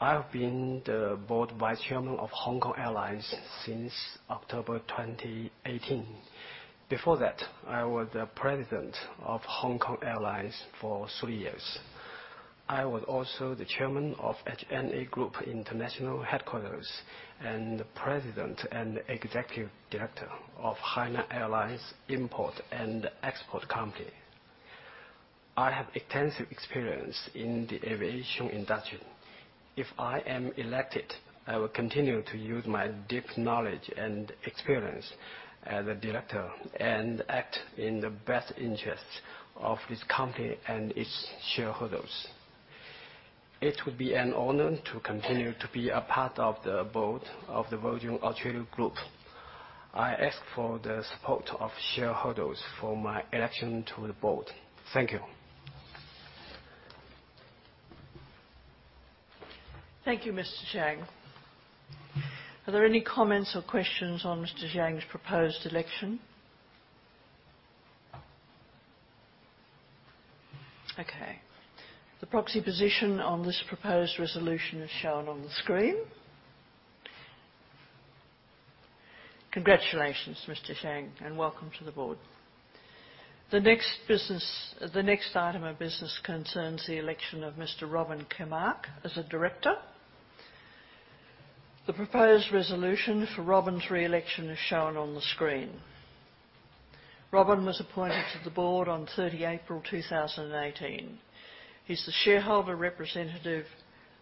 I have been the board vice chairman of Hong Kong Airlines since October 2018. Before that, I was the president of Hong Kong Airlines for three years. I was also the chairman of HNA Group International Headquarters and the president and executive director of Hainan Airlines Import and Export Company. I have extensive experience in the aviation industry. If I am elected, I will continue to use my deep knowledge and experience as a director and act in the best interests of this company and its shareholders. It would be an honor to continue to be a part of the board of the Virgin Australia Group. I ask for the support of shareholders for my election to the board. Thank you. Thank you, Mr. Xiang. Are there any comments or questions on Mr. Xiang's proposed election? Okay. The proxy position on this proposed resolution is shown on the screen. Congratulations, Mr. Xiang, and welcome to the board. The next item of business concerns the election of Mr. Robin Kamark as a director. The proposed resolution for Robin's re-election is shown on the screen. Robin was appointed to the board on 30 April 2018. He's the shareholder representative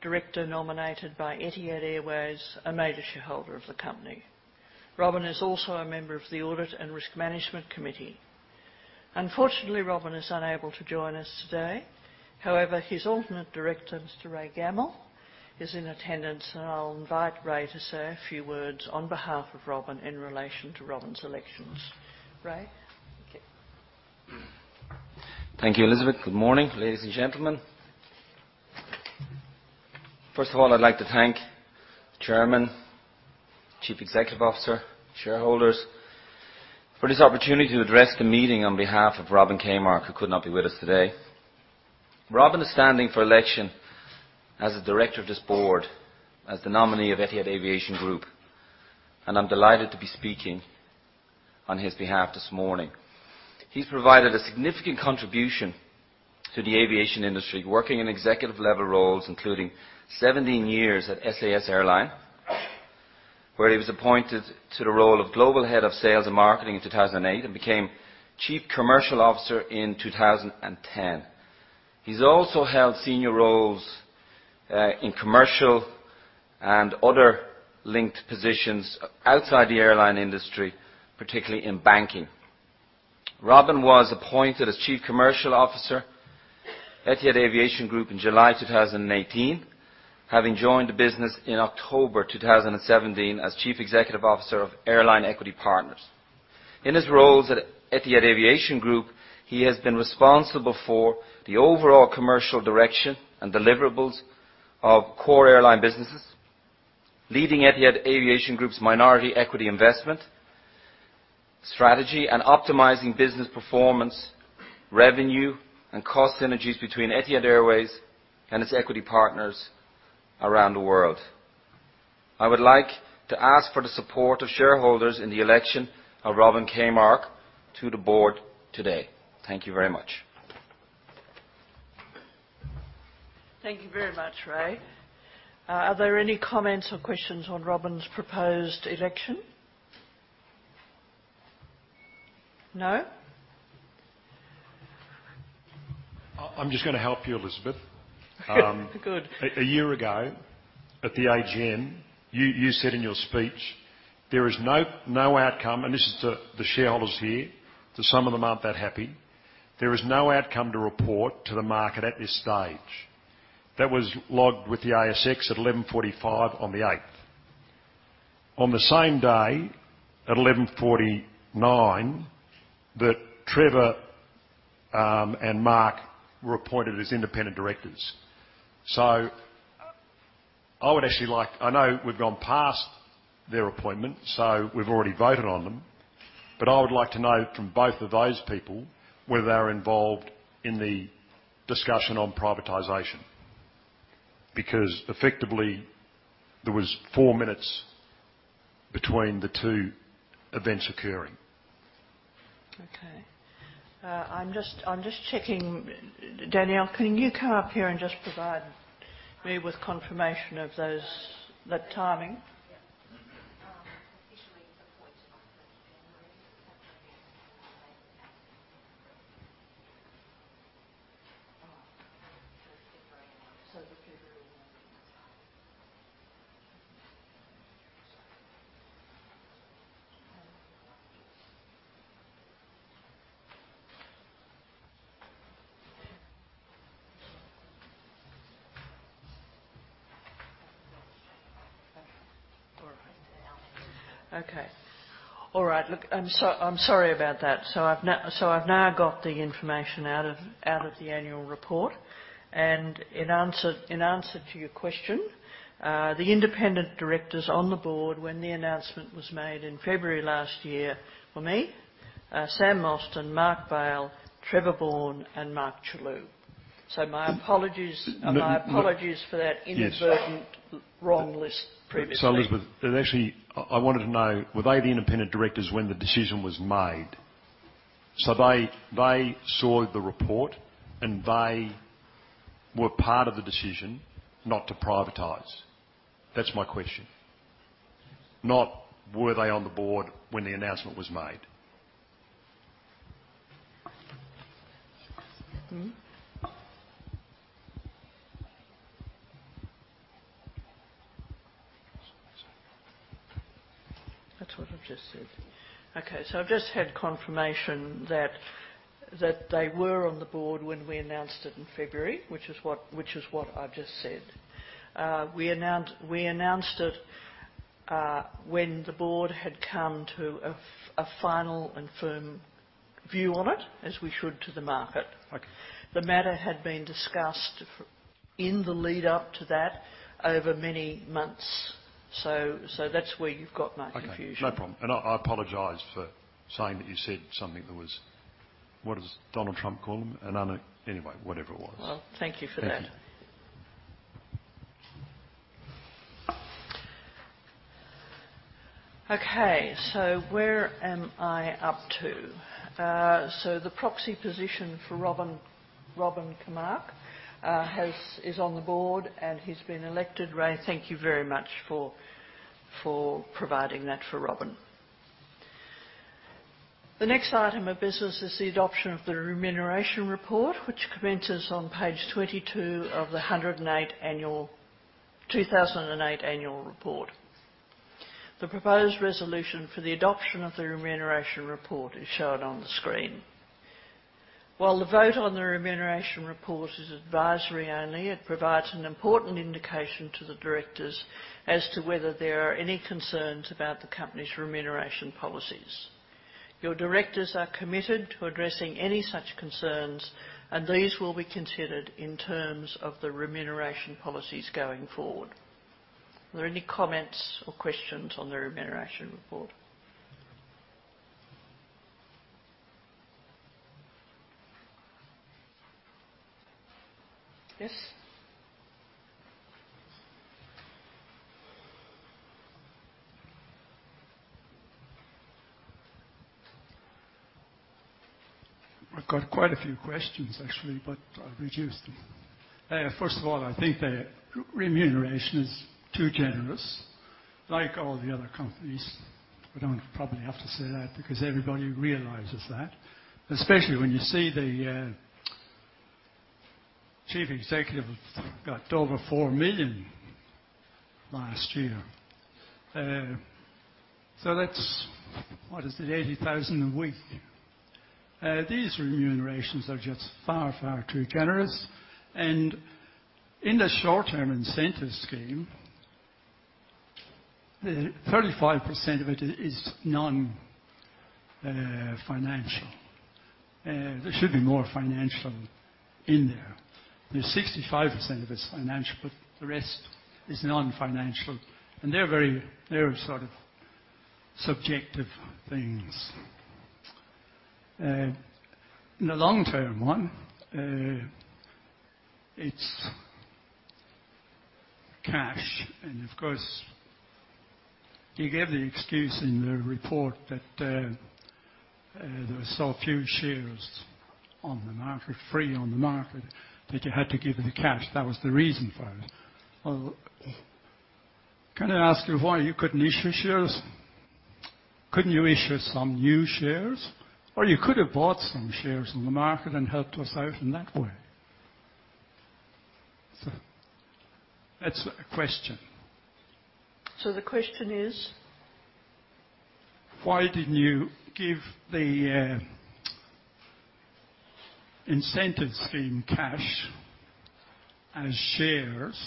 director nominated by Etihad Airways, a major shareholder of the company. Robin is also a member of the Audit and Risk Management Committee. Unfortunately, Robin is unable to join us today. However, his alternate director, Mr. Ray Gammell, is in attendance, and I'll invite Ray to say a few words on behalf of Robin in relation to Robin's elections. Ray? Thank you. Thank you, Elizabeth. Good morning, ladies and gentlemen. First of all, I'd like to thank the chairman, chief executive officer, shareholders for this opportunity to address the meeting on behalf of Robin Kamark, who could not be with us today. Robin is standing for election as a director of this board as the nominee of Etihad Aviation Group, and I'm delighted to be speaking on his behalf this morning. He's provided a significant contribution to the aviation industry, working in executive-level roles, including 17 years at SAS Airline, where he was appointed to the role of global head of sales and marketing in 2008 and became chief commercial officer in 2010. He's also held senior roles in commercial and other linked positions outside the airline industry, particularly in banking. Robin was appointed as chief commercial officer, Etihad Aviation Group in July 2018, having joined the business in October 2017 as chief executive officer of Airline Equity Partners. In his roles at Etihad Aviation Group, he has been responsible for the overall commercial direction and deliverables of core airline businesses, leading Etihad Aviation Group's minority equity investment strategy, and optimizing business performance, revenue, and cost synergies between Etihad Airways and its equity partners around the world. I would like to ask for the support of shareholders in the election of Robin Kamark to the board today. Thank you very much. Thank you very much, Ray. Are there any comments or questions on Robin's proposed election? No? I'm just going to help you, Elizabeth. Good. A year ago, at the AGM, you said in your speech, "There is no outcome," and this is the shareholders here, because some of them aren't that happy. "There is no outcome to report to the market at this stage." That was logged with the ASX at 11:45 on the 8th. On the same day, at 11:49, that Trevor and Mark were appointed as independent directors. I know we've gone past their appointment, so we've already voted on them, but I would like to know from both of those people whether they were involved in the discussion on privatization. Effectively, there was four minutes between the two events occurring. Okay. I'm just checking. Danielle, can you come up here and just provide me with confirmation of the timing? Yes. Officially appointed on the 1st of February. All right. Okay. All right. Look, I'm sorry about that. I've now got the information out of the annual report. In answer to your question, the independent directors on the board when the announcement was made in February last year were me, Samantha Mostyn, Mark Vaile, Trevor Bourne, and Mark Chellew. My apologies- No- My apologies for that- Yes inadvertent wrong list previously. Elizabeth, actually, I wanted to know, were they the independent directors when the decision was made? They saw the report and they were part of the decision not to privatize. That's my question. Not, were they on the board when the announcement was made. That's what I've just said. I've just had confirmation that they were on the board when we announced it in February, which is what I've just said. We announced it when the board had come to a final and firm view on it, as we should to the market. Okay. The matter had been discussed in the lead up to that over many months. That's where you've got much confusion. Okay. No problem. I apologize for saying that you said something that was What does Donald Trump call them? Anyway, whatever it was. Well, thank you for that. Thank you. Okay. Where am I up to? The proxy position for Robin Kamark is on the board, and he's been elected. Ray, thank you very much for providing that for Robin. The next item of business is the adoption of the remuneration report, which commences on page 22 of the 2008 annual report. The proposed resolution for the adoption of the remuneration report is shown on the screen. While the vote on the remuneration report is advisory only, it provides an important indication to the directors as to whether there are any concerns about the company's remuneration policies. Your directors are committed to addressing any such concerns, and these will be considered in terms of the remuneration policies going forward. Are there any comments or questions on the remuneration report? Yes? I've got quite a few questions, actually, but I'll reduce them. First of all, I think the remuneration is too generous, like all the other companies. I don't probably have to say that because everybody realizes that, especially when you see the chief executive got over 4 million last year. That's, what is it, 80,000 a week. These remunerations are just far, far too generous and in the short-term incentive scheme. The 35% of it is non-financial. There should be more financial in there. 65% of it is financial, but the rest is non-financial, and they're very sort of subjective things. In the long-term one, it's cash and of course, you gave the excuse in the report that there were so few shares free on the market, that you had to give the cash. That was the reason for it. Can I ask you why you couldn't issue shares? Couldn't you issue some new shares? You could have bought some shares on the market and helped us out in that way. That's a question. The question is? Why didn't you give the incentives in cash and shares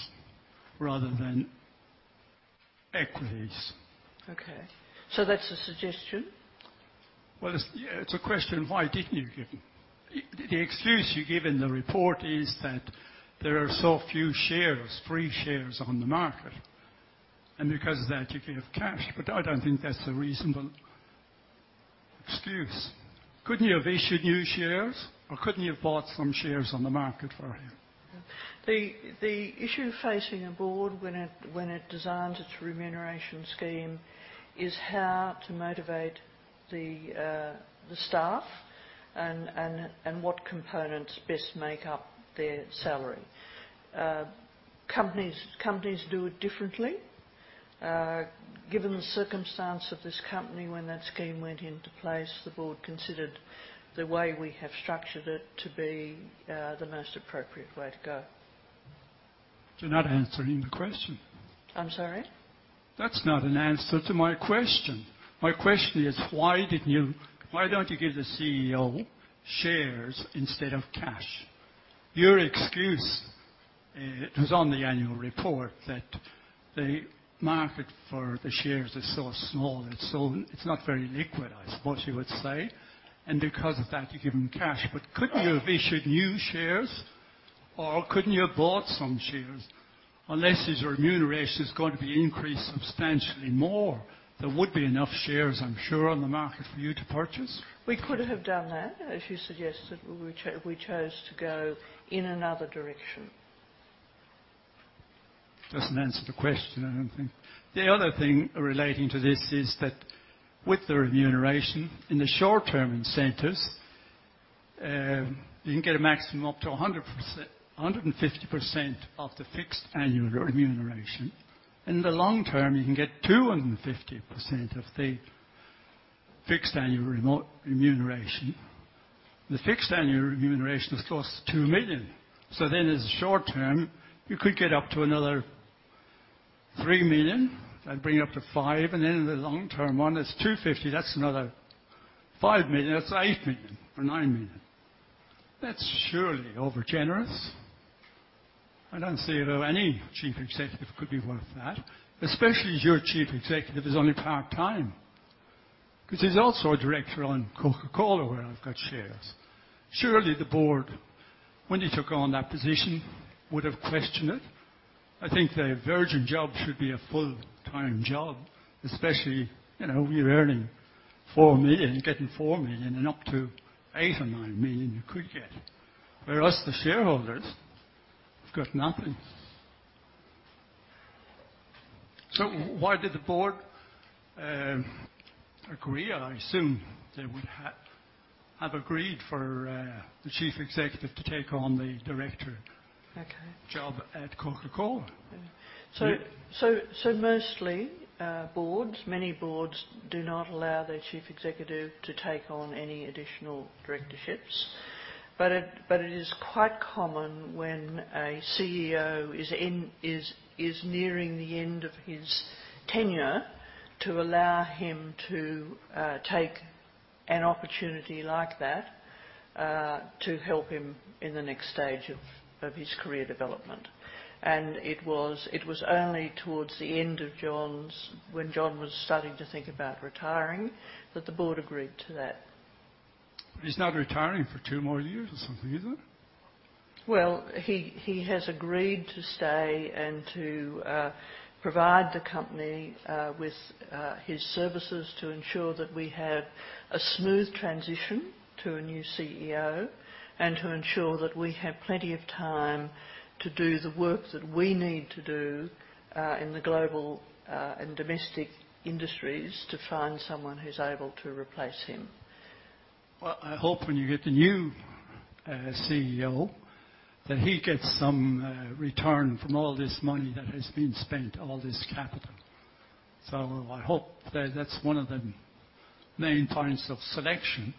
rather than equities? Okay. That's a suggestion? It's a question, why didn't you give them? The excuse you give in the report is that there are so few shares, free shares on the market, and because of that, you gave cash. I don't think that's a reasonable excuse. Couldn't you have issued new shares, or couldn't you have bought some shares on the market for him? The issue facing a board when it designs its remuneration scheme is how to motivate the staff and what components best make up their salary. Companies do it differently. Given the circumstance of this company when that scheme went into place, the board considered the way we have structured it to be the most appropriate way to go. You're not answering the question. I'm sorry? That's not an answer to my question. My question is, why don't you give the CEO shares instead of cash? Your excuse, it was on the annual report that the market for the shares is so small and it's not very liquid, I suppose you would say, and because of that, you give him cash. Couldn't you have issued new shares? Couldn't you have bought some shares? Unless his remuneration is going to be increased substantially more, there would be enough shares, I'm sure, on the market for you to purchase. We could have done that, as you suggested. We chose to go in another direction. Doesn't answer the question, I don't think. The other thing relating to this is that with the remuneration, in the short-term incentives, you can get a maximum up to 150% of the fixed annual remuneration. In the long term, you can get 250% of the fixed annual remuneration. The fixed annual remuneration is, of course, 2 million. As short-term, you could get up to another 3 million. That'd bring you up to 5 million. In the long term, one is 250%. That's another 5 million. That's 8 million or 9 million. That's surely overgenerous. I don't see how any chief executive could be worth that, especially as your Chief Executive is only part-time. He's also a director on Coca-Cola, where I've got shares. Surely the board, when he took on that position, would have questioned it. I think the Virgin job should be a full-time job, especially, you're earning 4 million, you're getting 4 million, and up to 8 million or 9 million you could get. Us, the shareholders, have got nothing. Why did the board agree? I assume they would have agreed for the chief executive to take on the director- Okay job at Coca-Cola. Mostly, many boards do not allow their chief executive to take on any additional directorships. It is quite common when a CEO is nearing the end of his tenure to allow him to take an opportunity like that to help him in the next stage of his career development. It was only towards the end of John's, when John was starting to think about retiring, that the board agreed to that. He's not retiring for two more years or something, is it? Well, he has agreed to stay and to provide the company with his services to ensure that we have a smooth transition to a new CEO and to ensure that we have plenty of time to do the work that we need to do in the global and domestic industries to find someone who is able to replace him. Well, I hope when you get the new CEO, that he gets some return from all this money that has been spent, all this capital. I hope that is one of the main points of selection.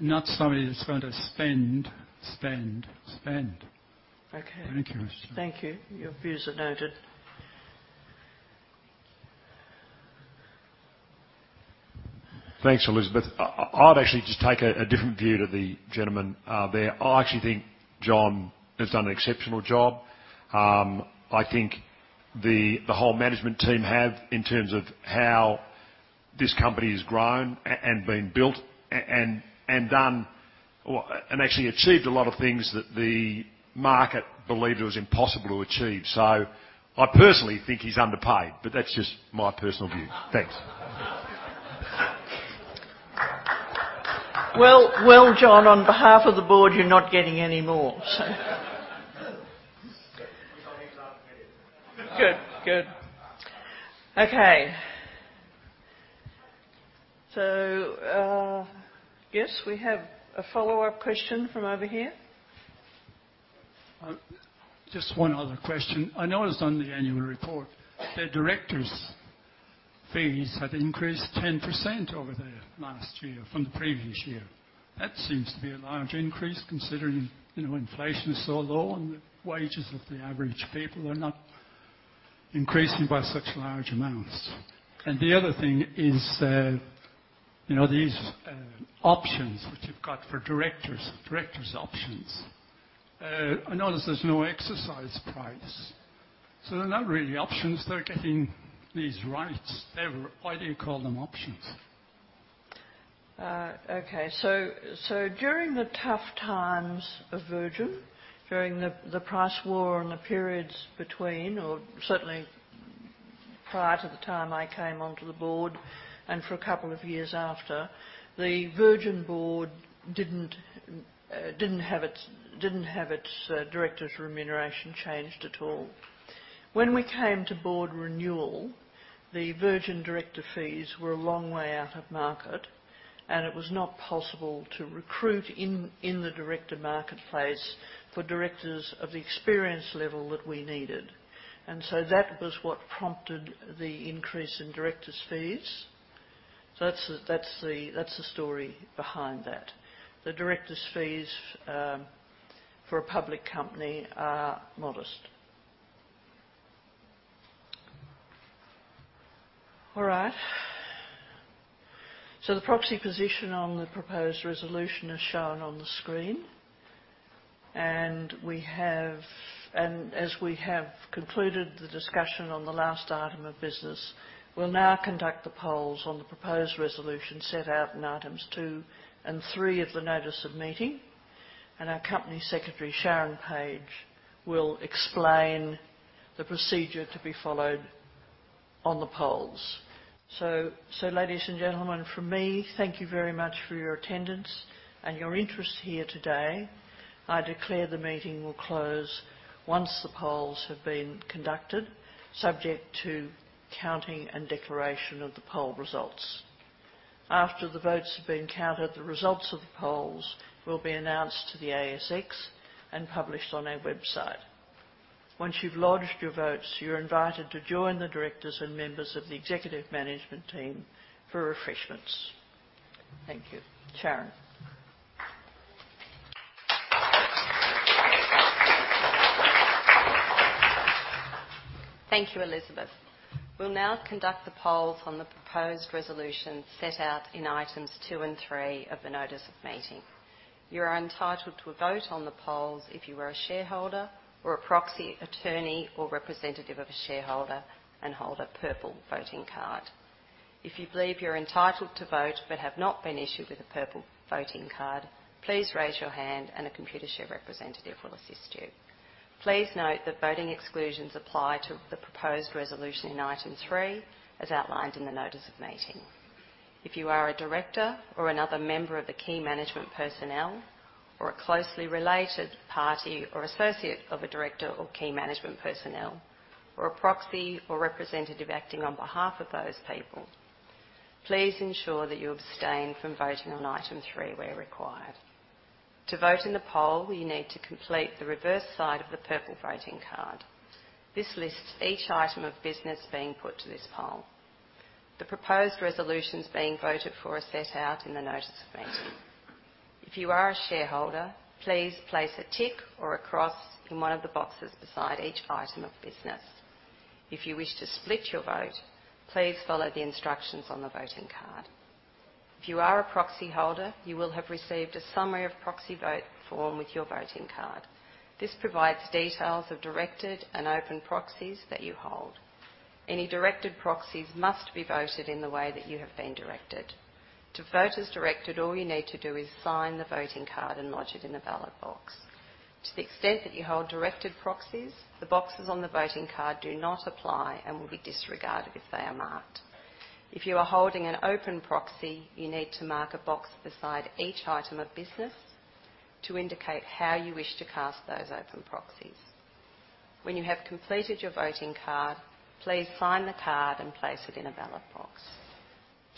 Not somebody that is going to spend, spend. Okay. Thank you, Mr. Chairman. Thank you. Your views are noted. Thanks, Elizabeth. I've actually just taken a different view to the gentleman there. I actually think John has done an exceptional job. I think the whole management team have in terms of how this company has grown and been built and actually achieved a lot of things that the market believed it was impossible to achieve. I personally think he's underpaid, but that's just my personal view. Thanks. John, on behalf of the board, you're not getting any more. He's already got plenty. Good. Okay. Yes, we have a follow-up question from over here. Just one other question. I noticed on the annual report that directors' fees have increased 10% over the last year from the previous year. That seems to be a large increase considering inflation is so low and the wages of the average people are not increasing by such large amounts. The other thing is these options which you've got for directors' options. I notice there's no exercise price, so they're not really options. They're getting these rights. Why do you call them options? Okay. During the tough times of Virgin, during the price war and the periods between, or certainly prior to the time I came onto the board and for a couple of years after, the Virgin board didn't have its director's remuneration changed at all. When we came to board renewal, the Virgin directors' fees were a long way out of market, and it was not possible to recruit in the director marketplace for directors of the experience level that we needed. That was what prompted the increase in directors' fees. That's the story behind that. The directors' fees for a public company are modest. All right. The proxy position on the proposed resolution is shown on the screen. As we have concluded the discussion on the last item of business, we'll now conduct the polls on the proposed resolution set out in items two and three of the notice of meeting. Our Company Secretary, Sharyn Page, will explain the procedure to be followed on the polls. Ladies and gentlemen, from me, thank you very much for your attendance and your interest here today. I declare the meeting will close once the polls have been conducted, subject to counting and declaration of the poll results. After the votes have been counted, the results of the polls will be announced to the ASX and published on our website. Once you've lodged your votes, you're invited to join the directors and members of the executive management team for refreshments. Thank you. Sharyn. Thank you, Elizabeth. We'll now conduct the polls on the proposed resolution set out in items two and three of the notice of meeting. You are entitled to a vote on the polls if you are a shareholder or a proxy attorney or representative of a shareholder, and hold a purple voting card. If you believe you're entitled to vote but have not been issued with a purple voting card, please raise your hand and a Computershare representative will assist you. Please note that voting exclusions apply to the proposed resolution in item three, as outlined in the notice of meeting. If you are a director or another member of the key management personnel, or a closely related party or associate of a director or key management personnel, or a proxy or representative acting on behalf of those people, please ensure that you abstain from voting on item three where required. To vote in the poll, you need to complete the reverse side of the purple voting card. This lists each item of business being put to this poll. The proposed resolutions being voted for are set out in the notice of meeting. If you are a shareholder, please place a tick or a cross in one of the boxes beside each item of business. If you wish to split your vote, please follow the instructions on the voting card. If you are a proxy holder, you will have received a summary of proxy vote form with your voting card. This provides details of directed and open proxies that you hold. Any directed proxies must be voted in the way that you have been directed. To vote as directed, all you need to do is sign the voting card and lodge it in the ballot box. To the extent that you hold directed proxies, the boxes on the voting card do not apply and will be disregarded if they are marked. If you are holding an open proxy, you need to mark a box beside each item of business to indicate how you wish to cast those open proxies. When you have completed your voting card, please sign the card and place it in a ballot box.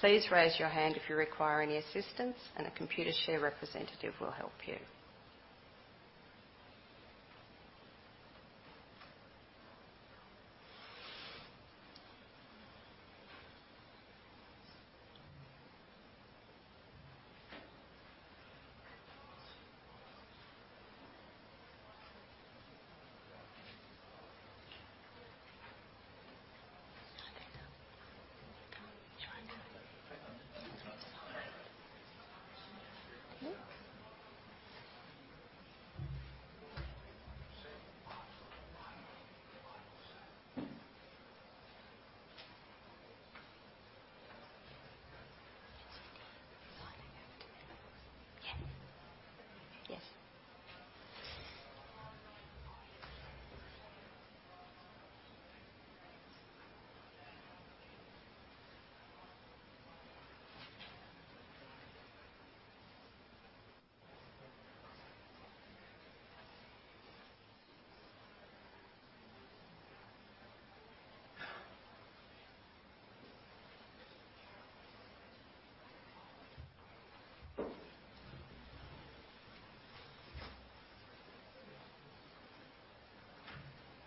Please raise your hand if you require any assistance and a Computershare representative will help you.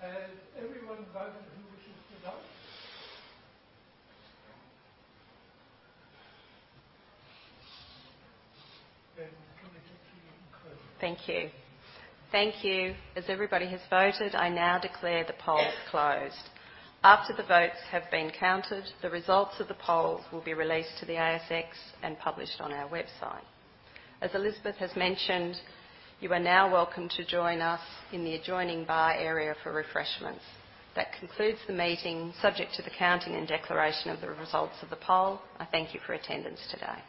Has everyone voted who wishes to vote? Can we get to the closing? Thank you. As everybody has voted, I now declare the poll closed. After the votes have been counted, the results of the poll will be released to the ASX and published on our website. As Elizabeth has mentioned, you are now welcome to join us in the adjoining bar area for refreshments. That concludes the meeting, subject to the counting and declaration of the results of the poll. I thank you for your attendance today.